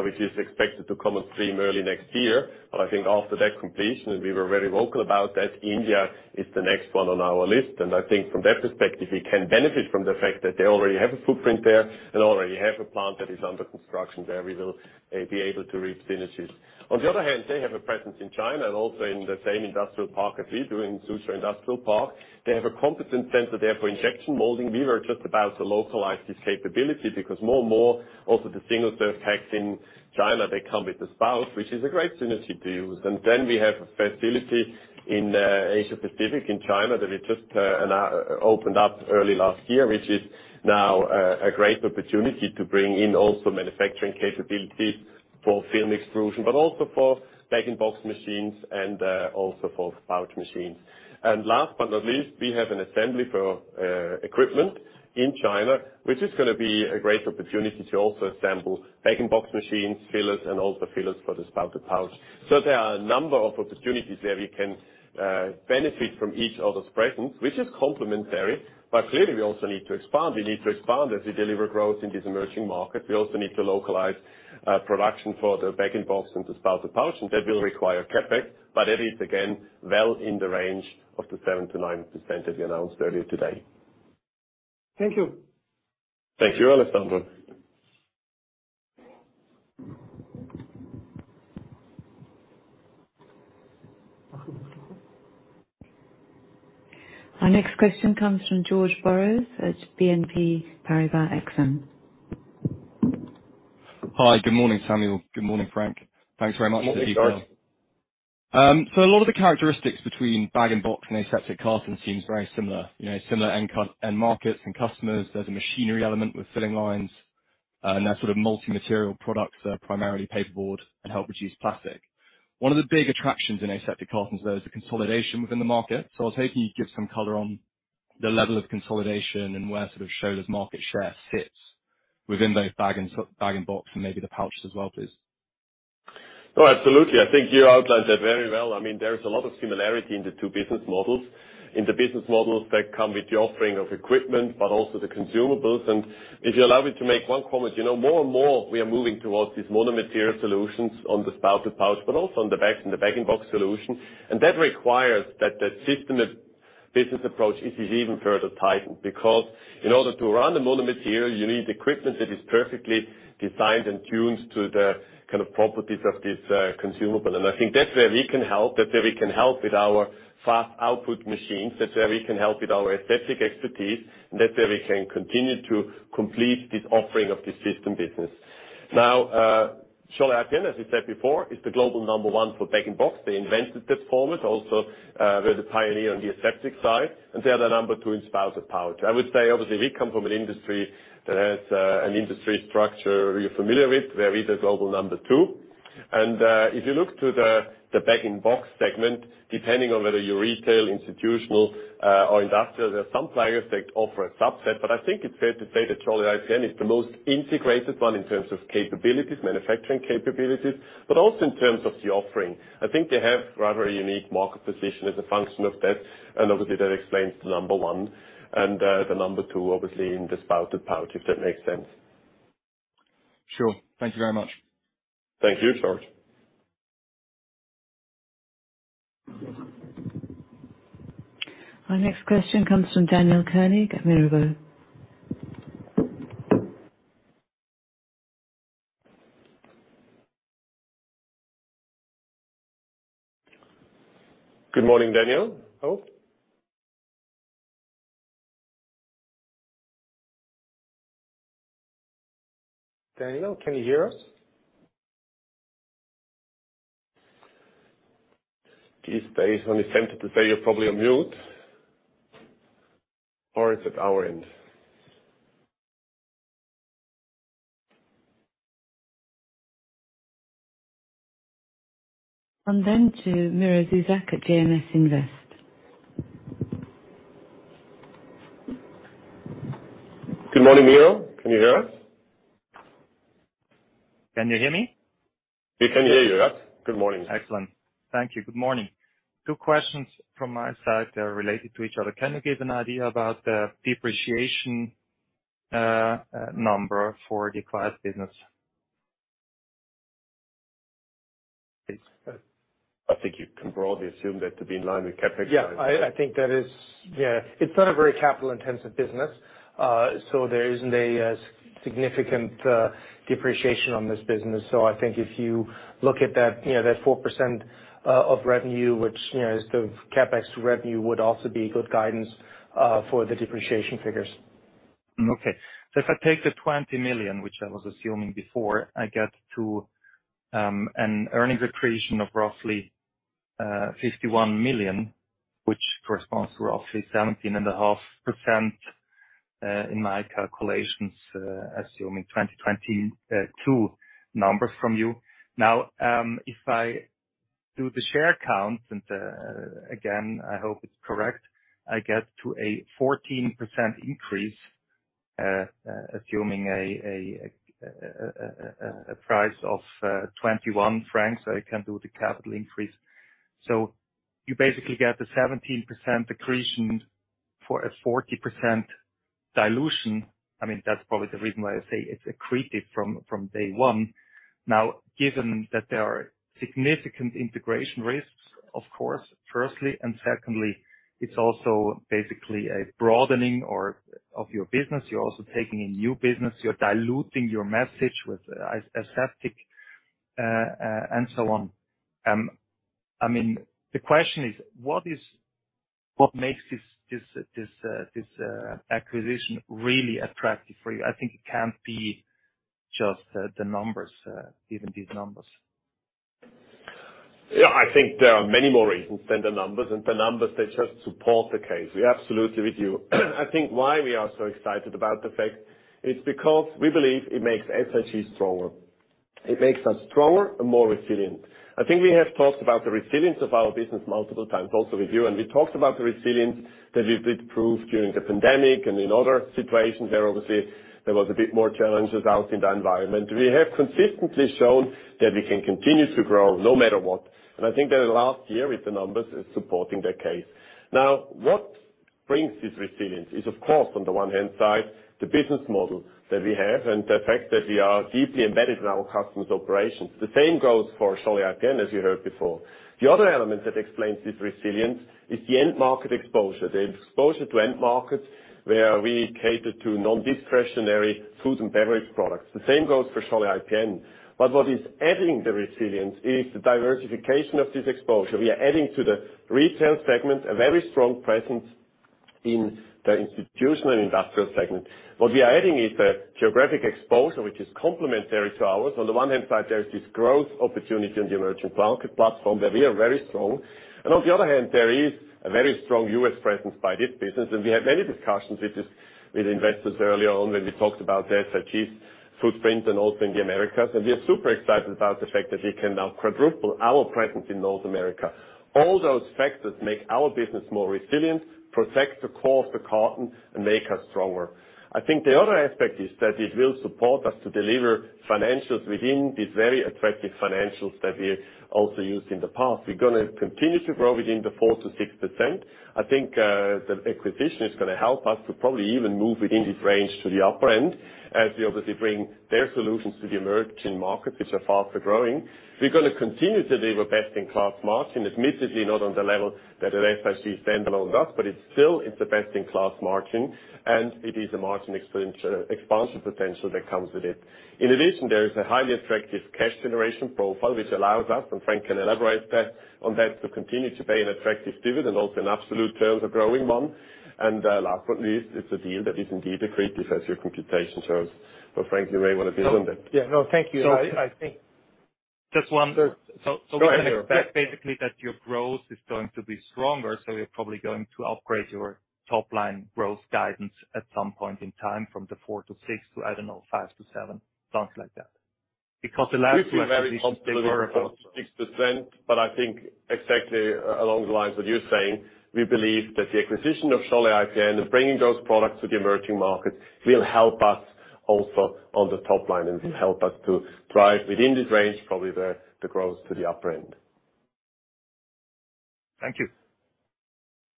which is expected to come on stream early next year. I think after that completion, and we were very vocal about that, India is the next one on our list. I think from that perspective, we can benefit from the fact that they already have a footprint there and already have a plant that is under construction where we will be able to reap synergies. On the other hand, they have a presence in China and also in the same industrial park as we do, in Suzhou Industrial Park. They have a competence center there for injection molding. We were just about to localize this capability because more and more also the single-serve packs in China, they come with a spout, which is a great synergy to use. Then we have a facility in Asia Pacific, in China, that we just opened up early last year, which is now a great opportunity to bring in also manufacturing capability for film extrusion, but also for bag-in-box machines and also for pouch machines. Last but not least, we have an assembly for equipment in China, which is gonna be a great opportunity to also assemble bag-in-box machines, fillers, and also fillers for the spouted pouch. There are a number of opportunities where we can benefit from each other's presence, which is complementary. Clearly we also need to expand. We need to expand as we deliver growth in this emerging market. We also need to localize production for the bag-in-box and the spouted pouch, and that will require CapEx, but it is again well in the range of the 7%-9% as we announced earlier today. Thank you. Thank you, Alessandro. Our next question comes from George Burroughs at BNP Paribas Exane. Hi. Good morning, Samuel. Good morning, Frank. Thanks very much for Good morning, George. A lot of the characteristics between bag-in-box and aseptic carton seems very similar, you know, similar end markets and customers. There's a machinery element with filling lines, and they're sort of multi-material products, primarily paperboard and help reduce plastic. One of the big attractions in aseptic cartons, though, is the consolidation within the market. I was hoping you'd give some color on the level of consolidation and where sort of Scholle's market share sits within those bag-in-box and maybe the pouches as well, please. No, absolutely. I think you outlined that very well. I mean, there is a lot of similarity in the two business models. In the business models, they come with the offering of equipment, but also the consumables. If you allow me to make one comment, you know more and more we are moving towards these mono-material solutions on the spouted pouch, but also on the bags and the bag-in-box solution. That requires that the system of business approach is even further tightened. Because in order to run the mono-material, you need equipment that is perfectly designed and tuned to the kind of properties of this consumable. I think that's where we can help. That's where we can help with our fast output machines. That's where we can help with our aseptic expertise, and that's where we can continue to complete this offering of this system business. Now, Scholle IPN, as we said before, is the global number 1 for bag-in-box. They invented this format also, they're the pioneer on the aseptic side, and they are the number 2 in spouted pouch. I would say, obviously we come from an industry that has, an industry structure you're familiar with, where we're the global number 2. If you look to the bag-in-box segment, depending on whether you're retail, institutional, or industrial, there are some players that offer a subset. But I think it's fair to say that Scholle IPN is the most integrated one in terms of capabilities, manufacturing capabilities, but also in terms of the offering. I think they have rather a unique market position as a function of that, and obviously that explains the number 1 and the number 2 obviously in the spouted pouch, if that makes sense. Sure. Thank you very much. Thank you, George. Our next question comes from Daniel Koenig, Mirabaud. Good morning, Daniel. Hello? Daniel, can you hear us? It says on his screen that you're probably on mute. Or it's at our end. I'm going to Miro Zuzak at JMS Invest. Good morning, Miro. Can you hear us? Can you hear me? We can hear you, yes. Good morning. Excellent. Thank you. Good morning. Two questions from my side. They are related to each other. Can you give an idea about the depreciation number for the acquired business? I think you can broadly assume that to be in line with CapEx. I think that is. It's not a very capital-intensive business, so there isn't a significant depreciation on this business. I think if you look at that, you know, that 4% of revenue, which, you know, is the CapEx to revenue, would also be good guidance for the depreciation figures. Okay. If I take the 20 million, which I was assuming before, I get to an earnings accretion of roughly 51 million, which corresponds to roughly 17.5%, in my calculations, assuming 2022 numbers from you. Now, if I do the share count, and again, I hope it's correct, I get to a 14% increase, assuming a price of 21 francs, I can do the capital increase. You basically get the 17% accretion for a 40% dilution. I mean, that's probably the reason why I say it's accretive from day one. Now, given that there are significant integration risks, of course, firstly and secondly, it's also basically a broadening of your business. You're also taking in new business. You're diluting your message with ESG, aseptic, and so on. I mean, the question is, what makes this acquisition really attractive for you? I think it can't be just the numbers, given these numbers. Yeah, I think there are many more reasons than the numbers. The numbers, they just support the case. We absolutely agree with you. I think why we are so excited about the fact it's because we believe it makes SIG stronger. It makes us stronger and more resilient. I think we have talked about the resilience of our business multiple times also with you. We talked about the resilience that we've proven during the pandemic and in other situations where obviously there was a bit more challenges out in the environment. We have consistently shown that we can continue to grow no matter what. I think that the last year with the numbers is supporting that case. Now, what brings this resilience is, of course, on the one hand side, the business model that we have and the fact that we are deeply embedded in our customers' operations. The same goes for Scholle IPN, as you heard before. The other element that explains this resilience is the end market exposure to end markets where we cater to non-discretionary food and beverage products. The same goes for Scholle IPN. What is adding the resilience is the diversification of this exposure. We are adding to the retail segment, a very strong presence in the institutional and industrial segment. What we are adding is a geographic exposure, which is complementary to ours. On the one hand side, there is this growth opportunity in the emerging market platform that we are very strong. On the other hand, there is a very strong U.S. presence by this business. We had many discussions with this, with investors early on when we talked about the SIG's footprint and also in the Americas. We are super excited about the fact that we can now quadruple our presence in North America. All those factors make our business more resilient, protect the core of the carton, and make us stronger. I think the other aspect is that it will support us to deliver financials within these very attractive financials that we also used in the past. We're gonna continue to grow within the 4%-6%. I think, the acquisition is gonna help us to probably even move within this range to the upper end, as we obviously bring their solutions to the emerging markets which are faster-growing. We're gonna continue to deliver best-in-class margin, admittedly not on the level that a SIG stand-alone does, but it's still, it's a best-in-class margin, and it is a margin expansion potential that comes with it. In addition, there is a highly attractive cash generation profile which allows us, and Frank can elaborate that, on that, to continue to pay an attractive dividend also in absolute terms a growing one. Last but not least, it's a deal that is indeed accretive as your computation shows. Frank, you may wanna build on that. Yeah. No, thank you. I think. Just one. Sure. Go ahead. We can expect basically that your growth is going to be stronger, so we're probably going to upgrade your top line growth guidance at some point in time from the 4%-6% to, I don't know, 5%-7%, something like that. Because the last two years at least. We feel very comfortable with the 6%, but I think exactly along the lines of what you're saying, we believe that the acquisition of Scholle IPN and bringing those products to the emerging markets will help us also on the top line and help us to drive within this range, probably the growth to the upper end. Thank you.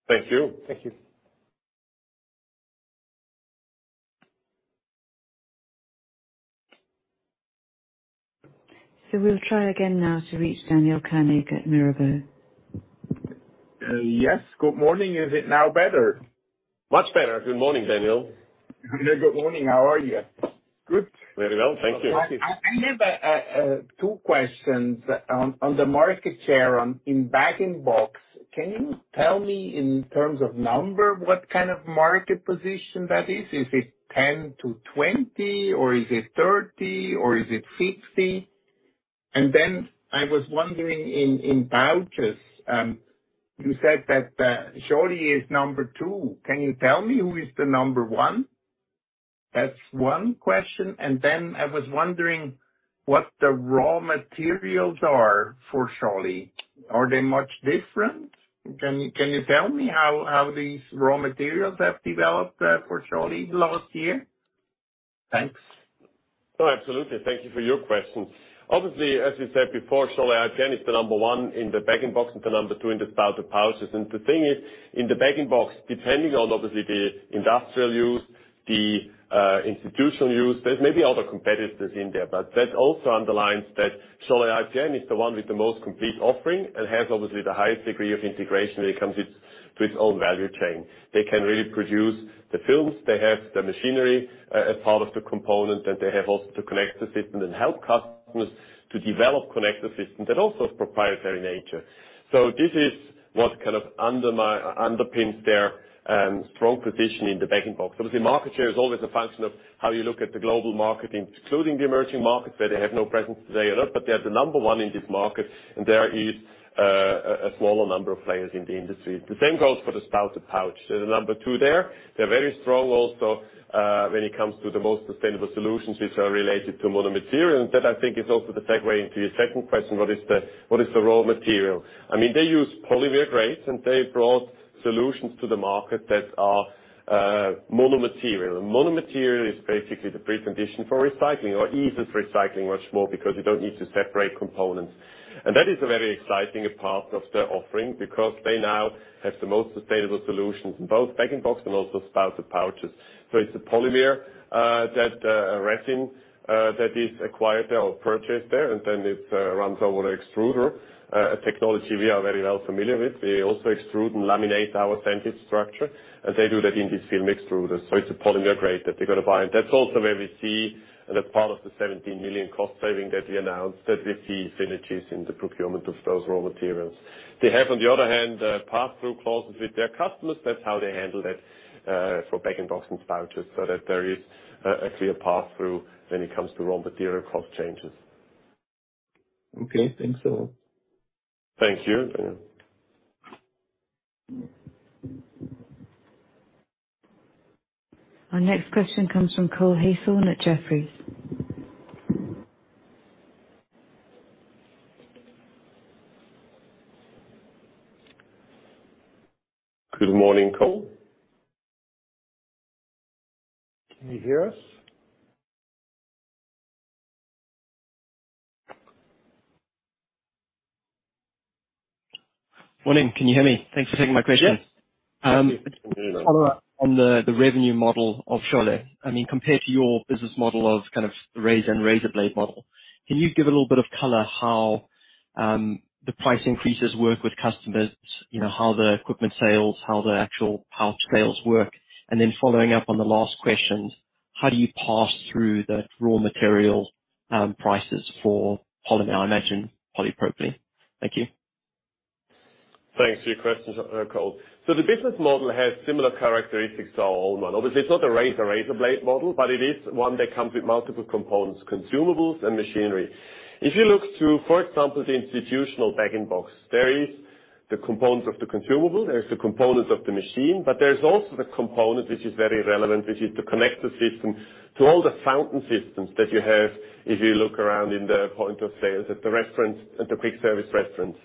Thank you. Thank you. We'll try again now to reach Daniel Koenig at Mirabaud. Yes, good morning. Is it now better? Much better. Good morning, Daniel. Good morning. How are you? Good. Very well, thank you. I have two questions. On the market share in bag-in-box, can you tell me in terms of number, what kind of market position that is? Is it 10%-20%, or is it 30%, or is it 50%? I was wondering in pouches, you said that Scholle is number two. Can you tell me who is the number one? That's one question. I was wondering what the raw materials are for Scholle. Are they much different? Can you tell me how these raw materials have developed for Scholle last year? Thanks. No, absolutely. Thank you for your question. Obviously, as you said before, Scholle IPN is the number one in the bag-in-box and the number two in the spouted pouches. The thing is, in the bag-in-box, depending on obviously the industrial use, the institutional use, there's maybe other competitors in there, but that also underlines that Scholle IPN is the one with the most complete offering and has obviously the highest degree of integration when it comes to its own value chain. They can really produce the films. They have the machinery as part of the component, and they have also to connect the system and help customers to develop connector systems. That also is proprietary in nature. This is what kind of underpins their strong position in the bag-in-box. Obviously, market share is always a function of how you look at the global market, including the emerging markets, where they have no presence today at all, but they are the number one in this market and there is a smaller number of players in the industry. The same goes for the spouted pouch. They're the number two there. They're very strong also when it comes to the most sustainable solutions which are related to mono-material. That, I think, is also the segue into your second question, what is the raw material? I mean, they use polymer grades, and they brought solutions to the market that are mono-material. Mono-material is basically the precondition for recycling or eases recycling much more because you don't need to separate components. That is a very exciting part of their offering because they now have the most sustainable solutions in both bag-in-box and also spouted pouches. It's a polymer resin that is acquired or purchased there, and then it runs over the extruder, a technology we are very well familiar with. We also extrude and laminate our sandwich structure, and they do that in this film extruder. It's a polymer grade that they're gonna buy, and that's also where we see the part of the 17 million cost saving that we announced, that we see synergies in the procurement of those raw materials. They have, on the other hand, pass-through clauses with their customers. That's how they handle that for bag-in-box and pouches, so that there is a clear path through when it comes to raw material cost changes. Okay, thanks a lot. Thank you. Our next question comes from Cole Hathorn at Jefferies. Good morning, Cole. Can you hear us? Morning. Can you hear me? Thanks for taking my question. Yes. Follow-up on the revenue model of Scholle. I mean, compared to your business model of kind of razor and razorblade model, can you give a little bit of color how the price increases work with customers? You know, how the equipment sales, how the actual pouch sales work? Then following up on the last question, how do you pass through the raw material prices for polymer, I imagine polypropylene. Thank you. Thanks for your questions, Cole. The business model has similar characteristics to our old one. Obviously, it's not a razor-razorblade model, but it is one that comes with multiple components, consumables and machinery. If you look to, for example, the institutional bag-in-box, there is the components of the consumable, there's the components of the machine, but there's also the component which is very relevant, which is to connect the system to all the fountain systems that you have, if you look around in the point of sales, at the restaurant, at the quick service restaurants.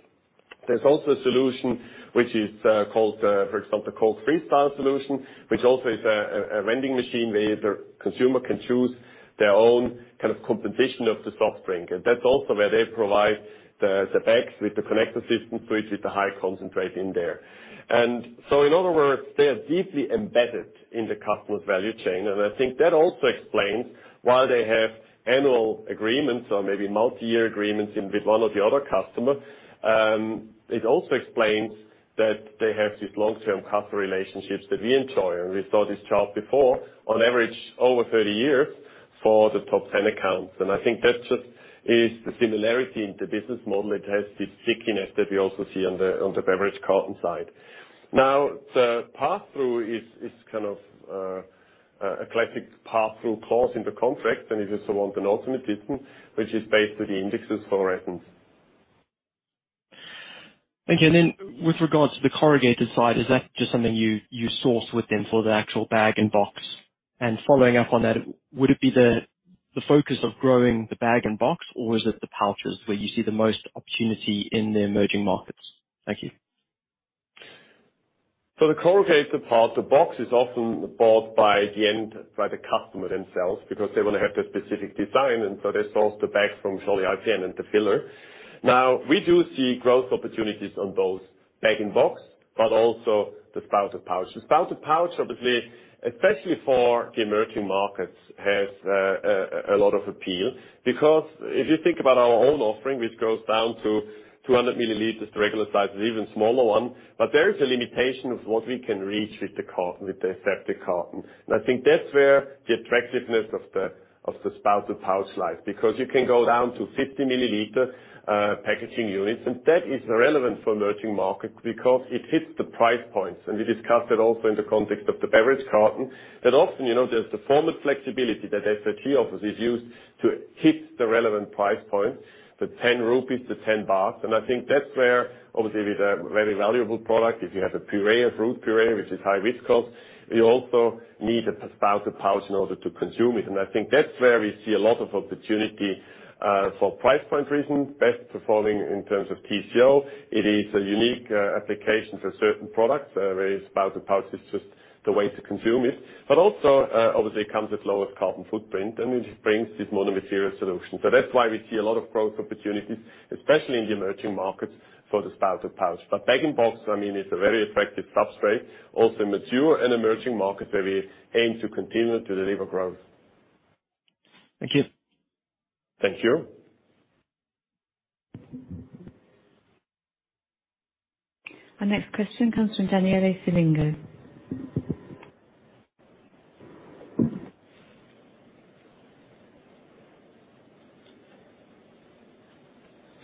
There's also a solution which is called, for example, Coca-Cola Freestyle solution, which also is a vending machine where the consumer can choose their own kind of composition of the soft drink. That's also where they provide the bags with the connector system, which is the high concentrate in there. In other words, they are deeply embedded in the customer's value chain. I think that also explains why they have annual agreements or maybe multi-year agreements with one of the other customers. It also explains that they have these long-term customer relationships that we enjoy. We saw this chart before, on average, over 30 years for the top 10 accounts. I think that just is the similarity in the business model. It has this stickiness that we also see on the beverage carton side. Now, the passthrough is kind of a classic passthrough clause in the contract, and it is the one with an alternative, which is based on the indexes for resins. Okay. With regards to the corrugated side, is that just something you source with them for the actual bag-in-box? Following up on that, would it be the focus of growing the bag-in-box or is it the pouches where you see the most opportunity in the emerging markets? Thank you. The corrugated part, the box is often bought by the end, by the customer themselves because they wanna have the specific design, and so they source the bags from Scholle IPN and the filler. Now, we do see growth opportunities on both bag-in-box but also the spouted pouch. The spouted pouch, obviously, especially for the emerging markets, has a lot of appeal because if you think about our own offering, which goes down to 200 ml, the regular size is even smaller one. There is a limitation of what we can reach with the carton, with the aseptic carton. I think that's where the attractiveness of the spouted pouch lies, because you can go down to 50-ml packaging units, and that is relevant for emerging markets because it hits the price points. We discussed that also in the context of the beverage carton. That often, you know, there's the form of flexibility that aseptic offers is used to hit the relevant price points, the 10 rupees, the 10 baht. I think that's where obviously with a very valuable product, if you have a puree, a fruit puree, which is high risk cost, you also need a spouted pouch in order to consume it. I think that's where we see a lot of opportunity, for price point reasons, best performing in terms of TCO. It is a unique, application for certain products, where a spouted pouch is just the way to consume it. Also, obviously it comes with lower carbon footprint and it brings this mono-material solution. That's why we see a lot of growth opportunities, especially in the emerging markets for the spouted pouch. Bag-in-box, I mean, it's a very attractive substrate, also mature in emerging markets where we aim to continue to deliver growth. Thank you. Thank you. Our next question comes from Daniele Cilinguo.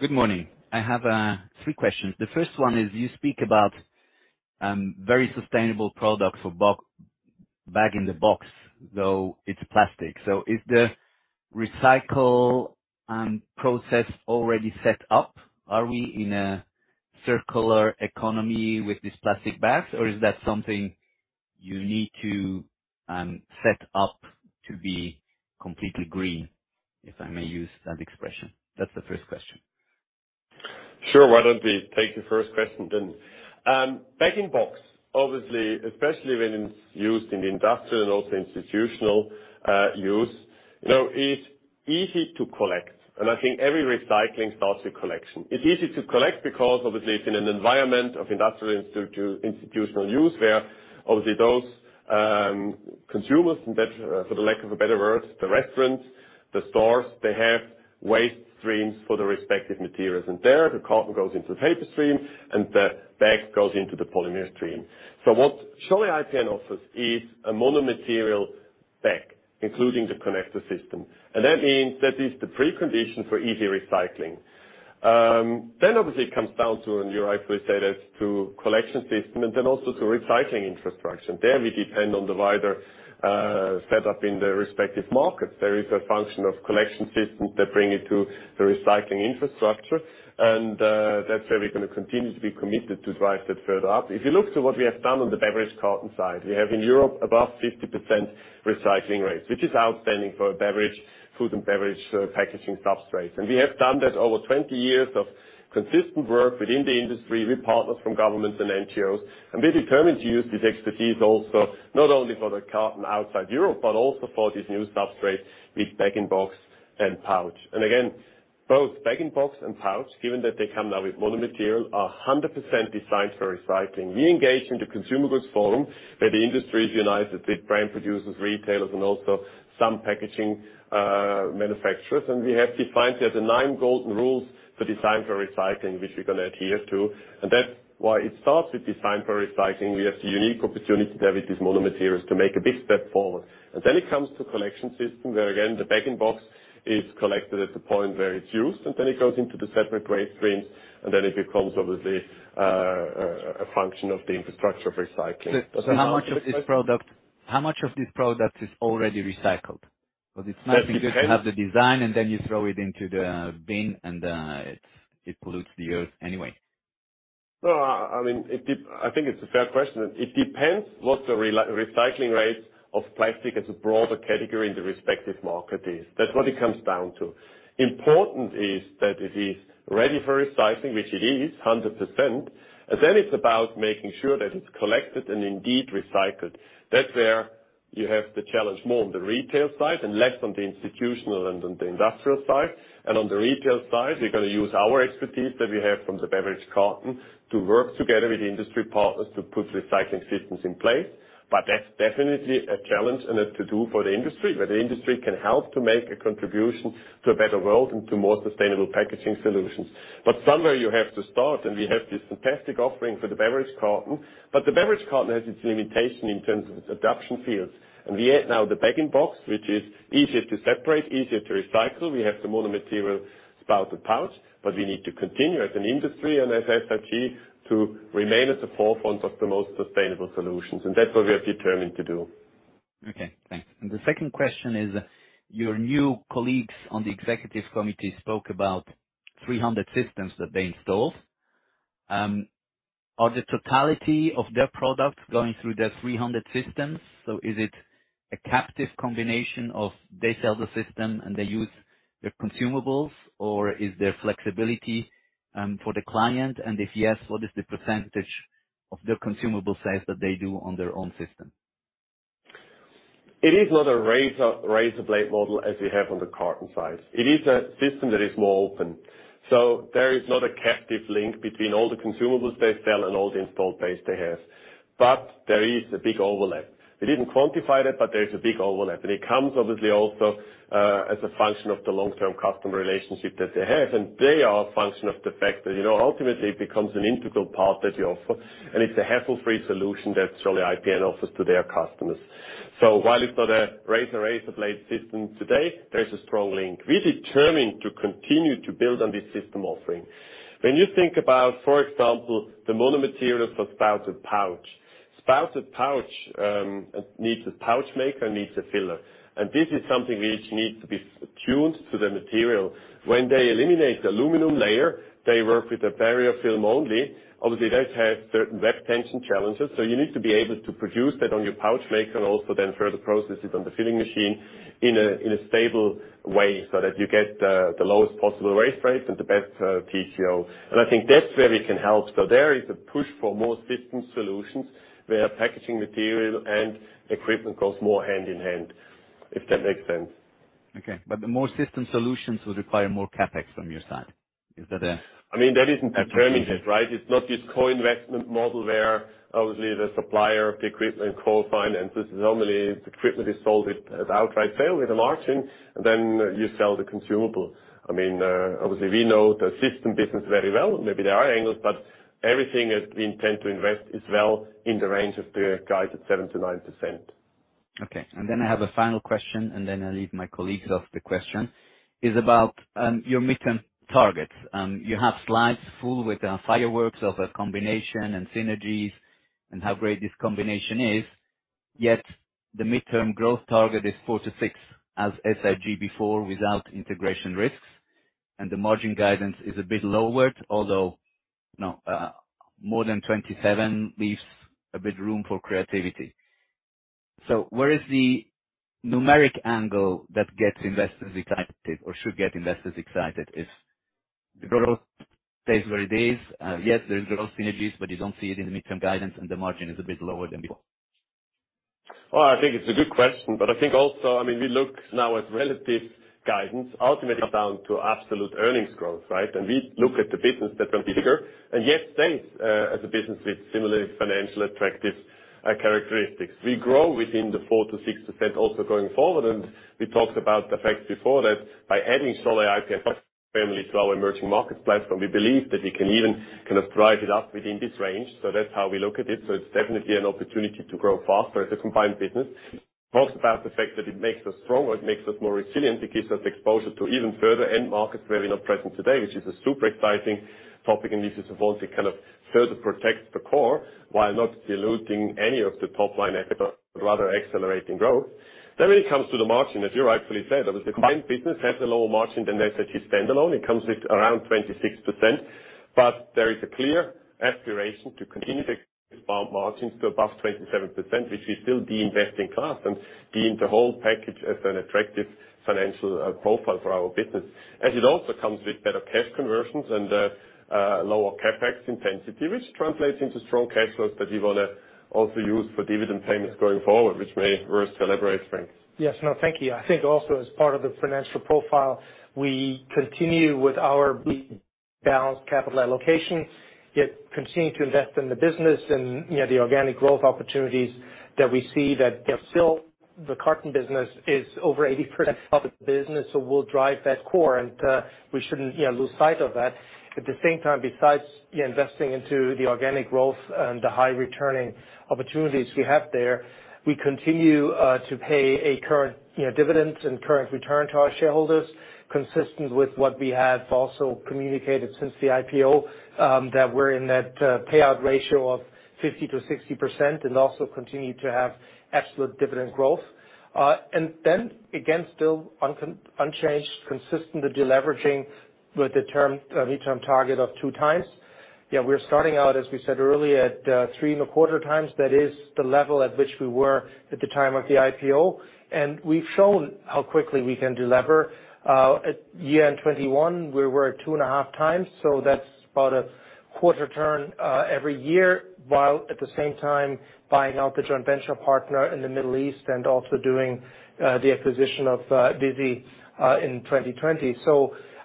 Good morning. I have three questions. The first one is, you speak about very sustainable products for bag in the box, though it's plastic. So is the recycling process already set up? Are we in a circular economy with these plastic bags, or is that something you need to set up to be completely green, if I may use that expression? That's the first question. Sure. Why don't we take the first question then? Bag-in-box, obviously, especially when it's used in the industrial and also institutional use, you know, is easy to collect, and I think every recycling starts with collection. It's easy to collect because, obviously, it's in an environment of industrial institutional use, where, obviously, those consumers, for the lack of a better word, the restaurants, the stores, they have waste streams for the respective materials in there. The carton goes into the paper stream, and the bag goes into the polymer stream. What Scholle IPN offers is a mono-material bag, including the connector system. That means that is the precondition for easy recycling. Obviously it comes down to, and you rightly said, as to collection system and then also to recycling infrastructure. There we depend on the wider setup in the respective markets. There is a function of collection systems that bring it to the recycling infrastructure, and that's where we're gonna continue to be committed to drive that further up. If you look to what we have done on the beverage carton side, we have in Europe above 50% recycling rates, which is outstanding for beverage food and beverage packaging substrates. We have done that over 20 years of consistent work within the industry with partners from governments and NGOs, and we're determined to use this expertise also, not only for the carton outside Europe, but also for these new substrates with bag-in-box and pouch. Again, both bag-in-box and pouch, given that they come now with mono-material, are 100% designed for recycling. We engage in the Consumer Goods Forum, where the industry unites the big brand producers, retailers, and also some packaging manufacturers. We have defined there the Nine Golden Rules for Design for Recycling, which we're gonna adhere to. That's why it starts with design for recycling. We have the unique opportunity there with these mono materials to make a big step forward. It comes to collection system where, again, the bag-in-box is collected at the point where it's used, and then it goes into the separate waste streams, and then it becomes, obviously, a function of the infrastructure of recycling. How much of this product is already recycled? Because it's nice, you have the design, and then you throw it into the bin, and it pollutes the Earth anyway. I mean, I think it's a fair question. It depends what the recycling rate of plastic as a broader category in the respective market is. That's what it comes down to. Important is that it is ready for recycling, which it is 100%, and then it's about making sure that it's collected and indeed recycled. That's where you have the challenge more on the retail side and less on the institutional and on the industrial side. On the retail side, we're gonna use our expertise that we have from the beverage carton to work together with the industry partners to put recycling systems in place. That's definitely a challenge and a to-do for the industry, where the industry can help to make a contribution to a better world and to more sustainable packaging solutions. Somewhere you have to start, and we have this fantastic offering for the beverage carton, but the beverage carton has its limitation in terms of its adoption fields. We have now the bag-in-box, which is easier to separate, easier to recycle. We have the mono-material spouted pouch, but we need to continue as an industry and as SIG to remain at the forefront of the most sustainable solutions, and that's what we are determined to do. Okay, thanks. The second question is, your new colleagues on the executive committee spoke about 300 systems that they installed. Are the totality of their products going through their 300 systems? Is it a captive combination of they sell the system, and they use their consumables, or is there flexibility for the client? If yes, what is the percentage of the consumable sales that they do on their own system? It is not a razor-blade model as you have on the carton side. It is a system that is more open. There is not a captive link between all the consumables they sell and all the installed base they have. There is a big overlap. We didn't quantify that, but there's a big overlap, and it comes obviously also as a function of the long-term customer relationship that they have. They are a function of the fact that, you know, ultimately it becomes an integral part that we offer, and it's a hassle-free solution that Scholle IPN offers to their customers. While it's not a razor-blade system today, there's a strong link. We're determined to continue to build on this system offering. When you think about, for example, the mono-materials for spouted pouch. Spouted pouch needs a pouch maker, needs a filler. This is something which needs to be tuned to the material. When they eliminate the aluminum layer, they work with the barrier film only. Obviously, those have certain web tension challenges, so you need to be able to produce that on your pouch maker and also then further process it on the filling machine in a stable way, so that you get the lowest possible waste rates and the best TCO. I think that's where we can help. There is a push for more system solutions where packaging material and equipment goes more hand in hand, if that makes sense. Okay. The more system solutions would require more CapEx from your side? I mean, that isn't determining it, right? It's not this co-investment model where obviously the supplier of the equipment co-finance. This is normally the equipment is sold with as outright sale with a margin and then you sell the consumable. I mean, obviously we know the system business very well. Maybe there are angles, but everything that we intend to invest is well in the range of the guides at 7%-9%. Okay. I have a final question, and then I leave my colleagues of the question, is about your midterm targets. You have slides full with fireworks of a combination and synergies and how great this combination is. Yet the midterm growth target is 4%-6% as SIG before without integration risks. The margin guidance is a bit lowered, although no, more than 27% leaves a bit room for creativity. Where is the numeric angle that gets investors excited or should get investors excited if the growth stays where it is? Yes, there is growth synergies, but you don't see it in the midterm guidance and the margin is a bit lower than before. Oh, I think it's a good question, but I think also, I mean, we look now at relative guidance ultimately down to absolute earnings growth, right? We look at the business that went bigger and yet stays, as a business with similarly financially attractive characteristics. We grow within the 4%-6% also going forward. We talked about the fact before that by adding Scholle IPN to our emerging market platform, we believe that we can even kind of drive it up within this range. That's how we look at it. It's definitely an opportunity to grow faster as a combined business. Plus the fact that it makes us stronger, it makes us more resilient. It gives us exposure to even further end markets where we're not present today, which is a super exciting topic, and this is supposed to kind of further protect the core while not diluting any of the top line, but rather accelerating growth. When it comes to the margin, as you rightfully said, I mean, the combined business has a lower margin than SIG standalone. It comes with around 26%, but there is a clear aspiration to continue to grow margins to above 27%, which is still the investing class and being the whole package as an attractive financial profile for our business. It also comes with better cash conversions and lower CapEx intensity, which translates into strong cash flows that we wanna also use for dividend payments going forward, which makes us celebrate, Frank. Yes. No, thank you. I think also as part of the financial profile, we continue with our balanced capital allocation, yet continue to invest in the business and, you know, the organic growth opportunities that we see that, you know, still the carton business is over 80% of the business. We'll drive that core and, we shouldn't, you know, lose sight of that. At the same time, besides, you know, investing into the organic growth and the high returning opportunities we have there, we continue to pay a current, you know, dividend and current return to our shareholders, consistent with what we have also communicated since the IPO, that we're in that payout ratio of 50%-60% and also continue to have absolute dividend growth. Still unchanged, consistent with deleveraging with the long-term midterm target of 2x. Yeah, we're starting out, as we said earlier, at 3.25x. That is the level at which we were at the time of the IPO. We've shown how quickly we can delever. At year-end 2021, we were at 2.5x, so that's about a quarter turn every year, while at the same time buying out the joint venture partner in the Middle East and also doing the acquisition of Scholle IPN in 2020.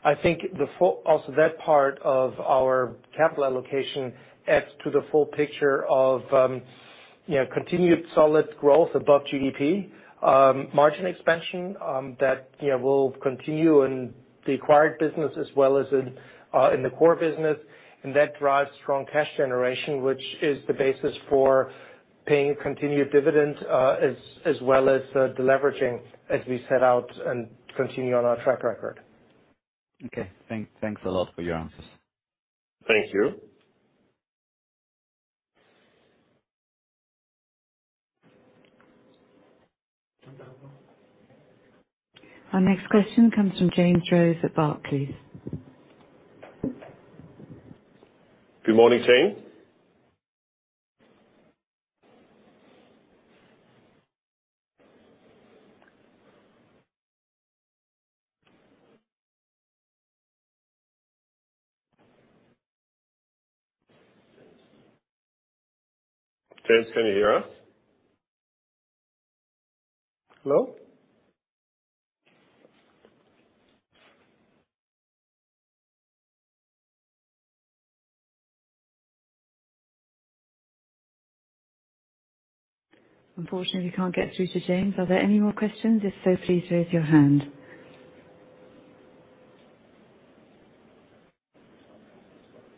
I think also that part of our capital allocation adds to the full picture of, you know, continued solid growth above GDP, margin expansion, that, you know, will continue in the acquired business as well as in the core business. That drives strong cash generation, which is the basis for paying continued dividend as well as deleveraging as we set out and continue on our track record. Okay. Thanks a lot for your answers. Thank you. Our next question comes from James Rose at Barclays. Good morning, James. James, can you hear us? Hello? Unfortunately, we can't get through to James. Are there any more questions? If so, please raise your hand.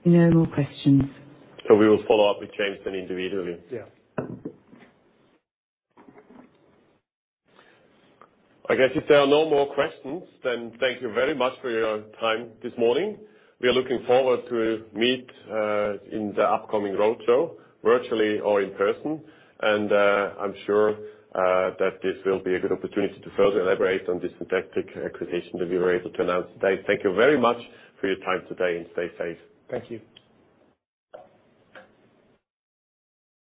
No more questions. We will follow up with James then individually. Yeah. I guess if there are no more questions, then thank you very much for your time this morning. We are looking forward to meet in the upcoming roadshow, virtually or in person. I'm sure that this will be a good opportunity to further elaborate on the Scholle IPN acquisition that we were able to announce today. Thank you very much for your time today, and stay safe. Thank you.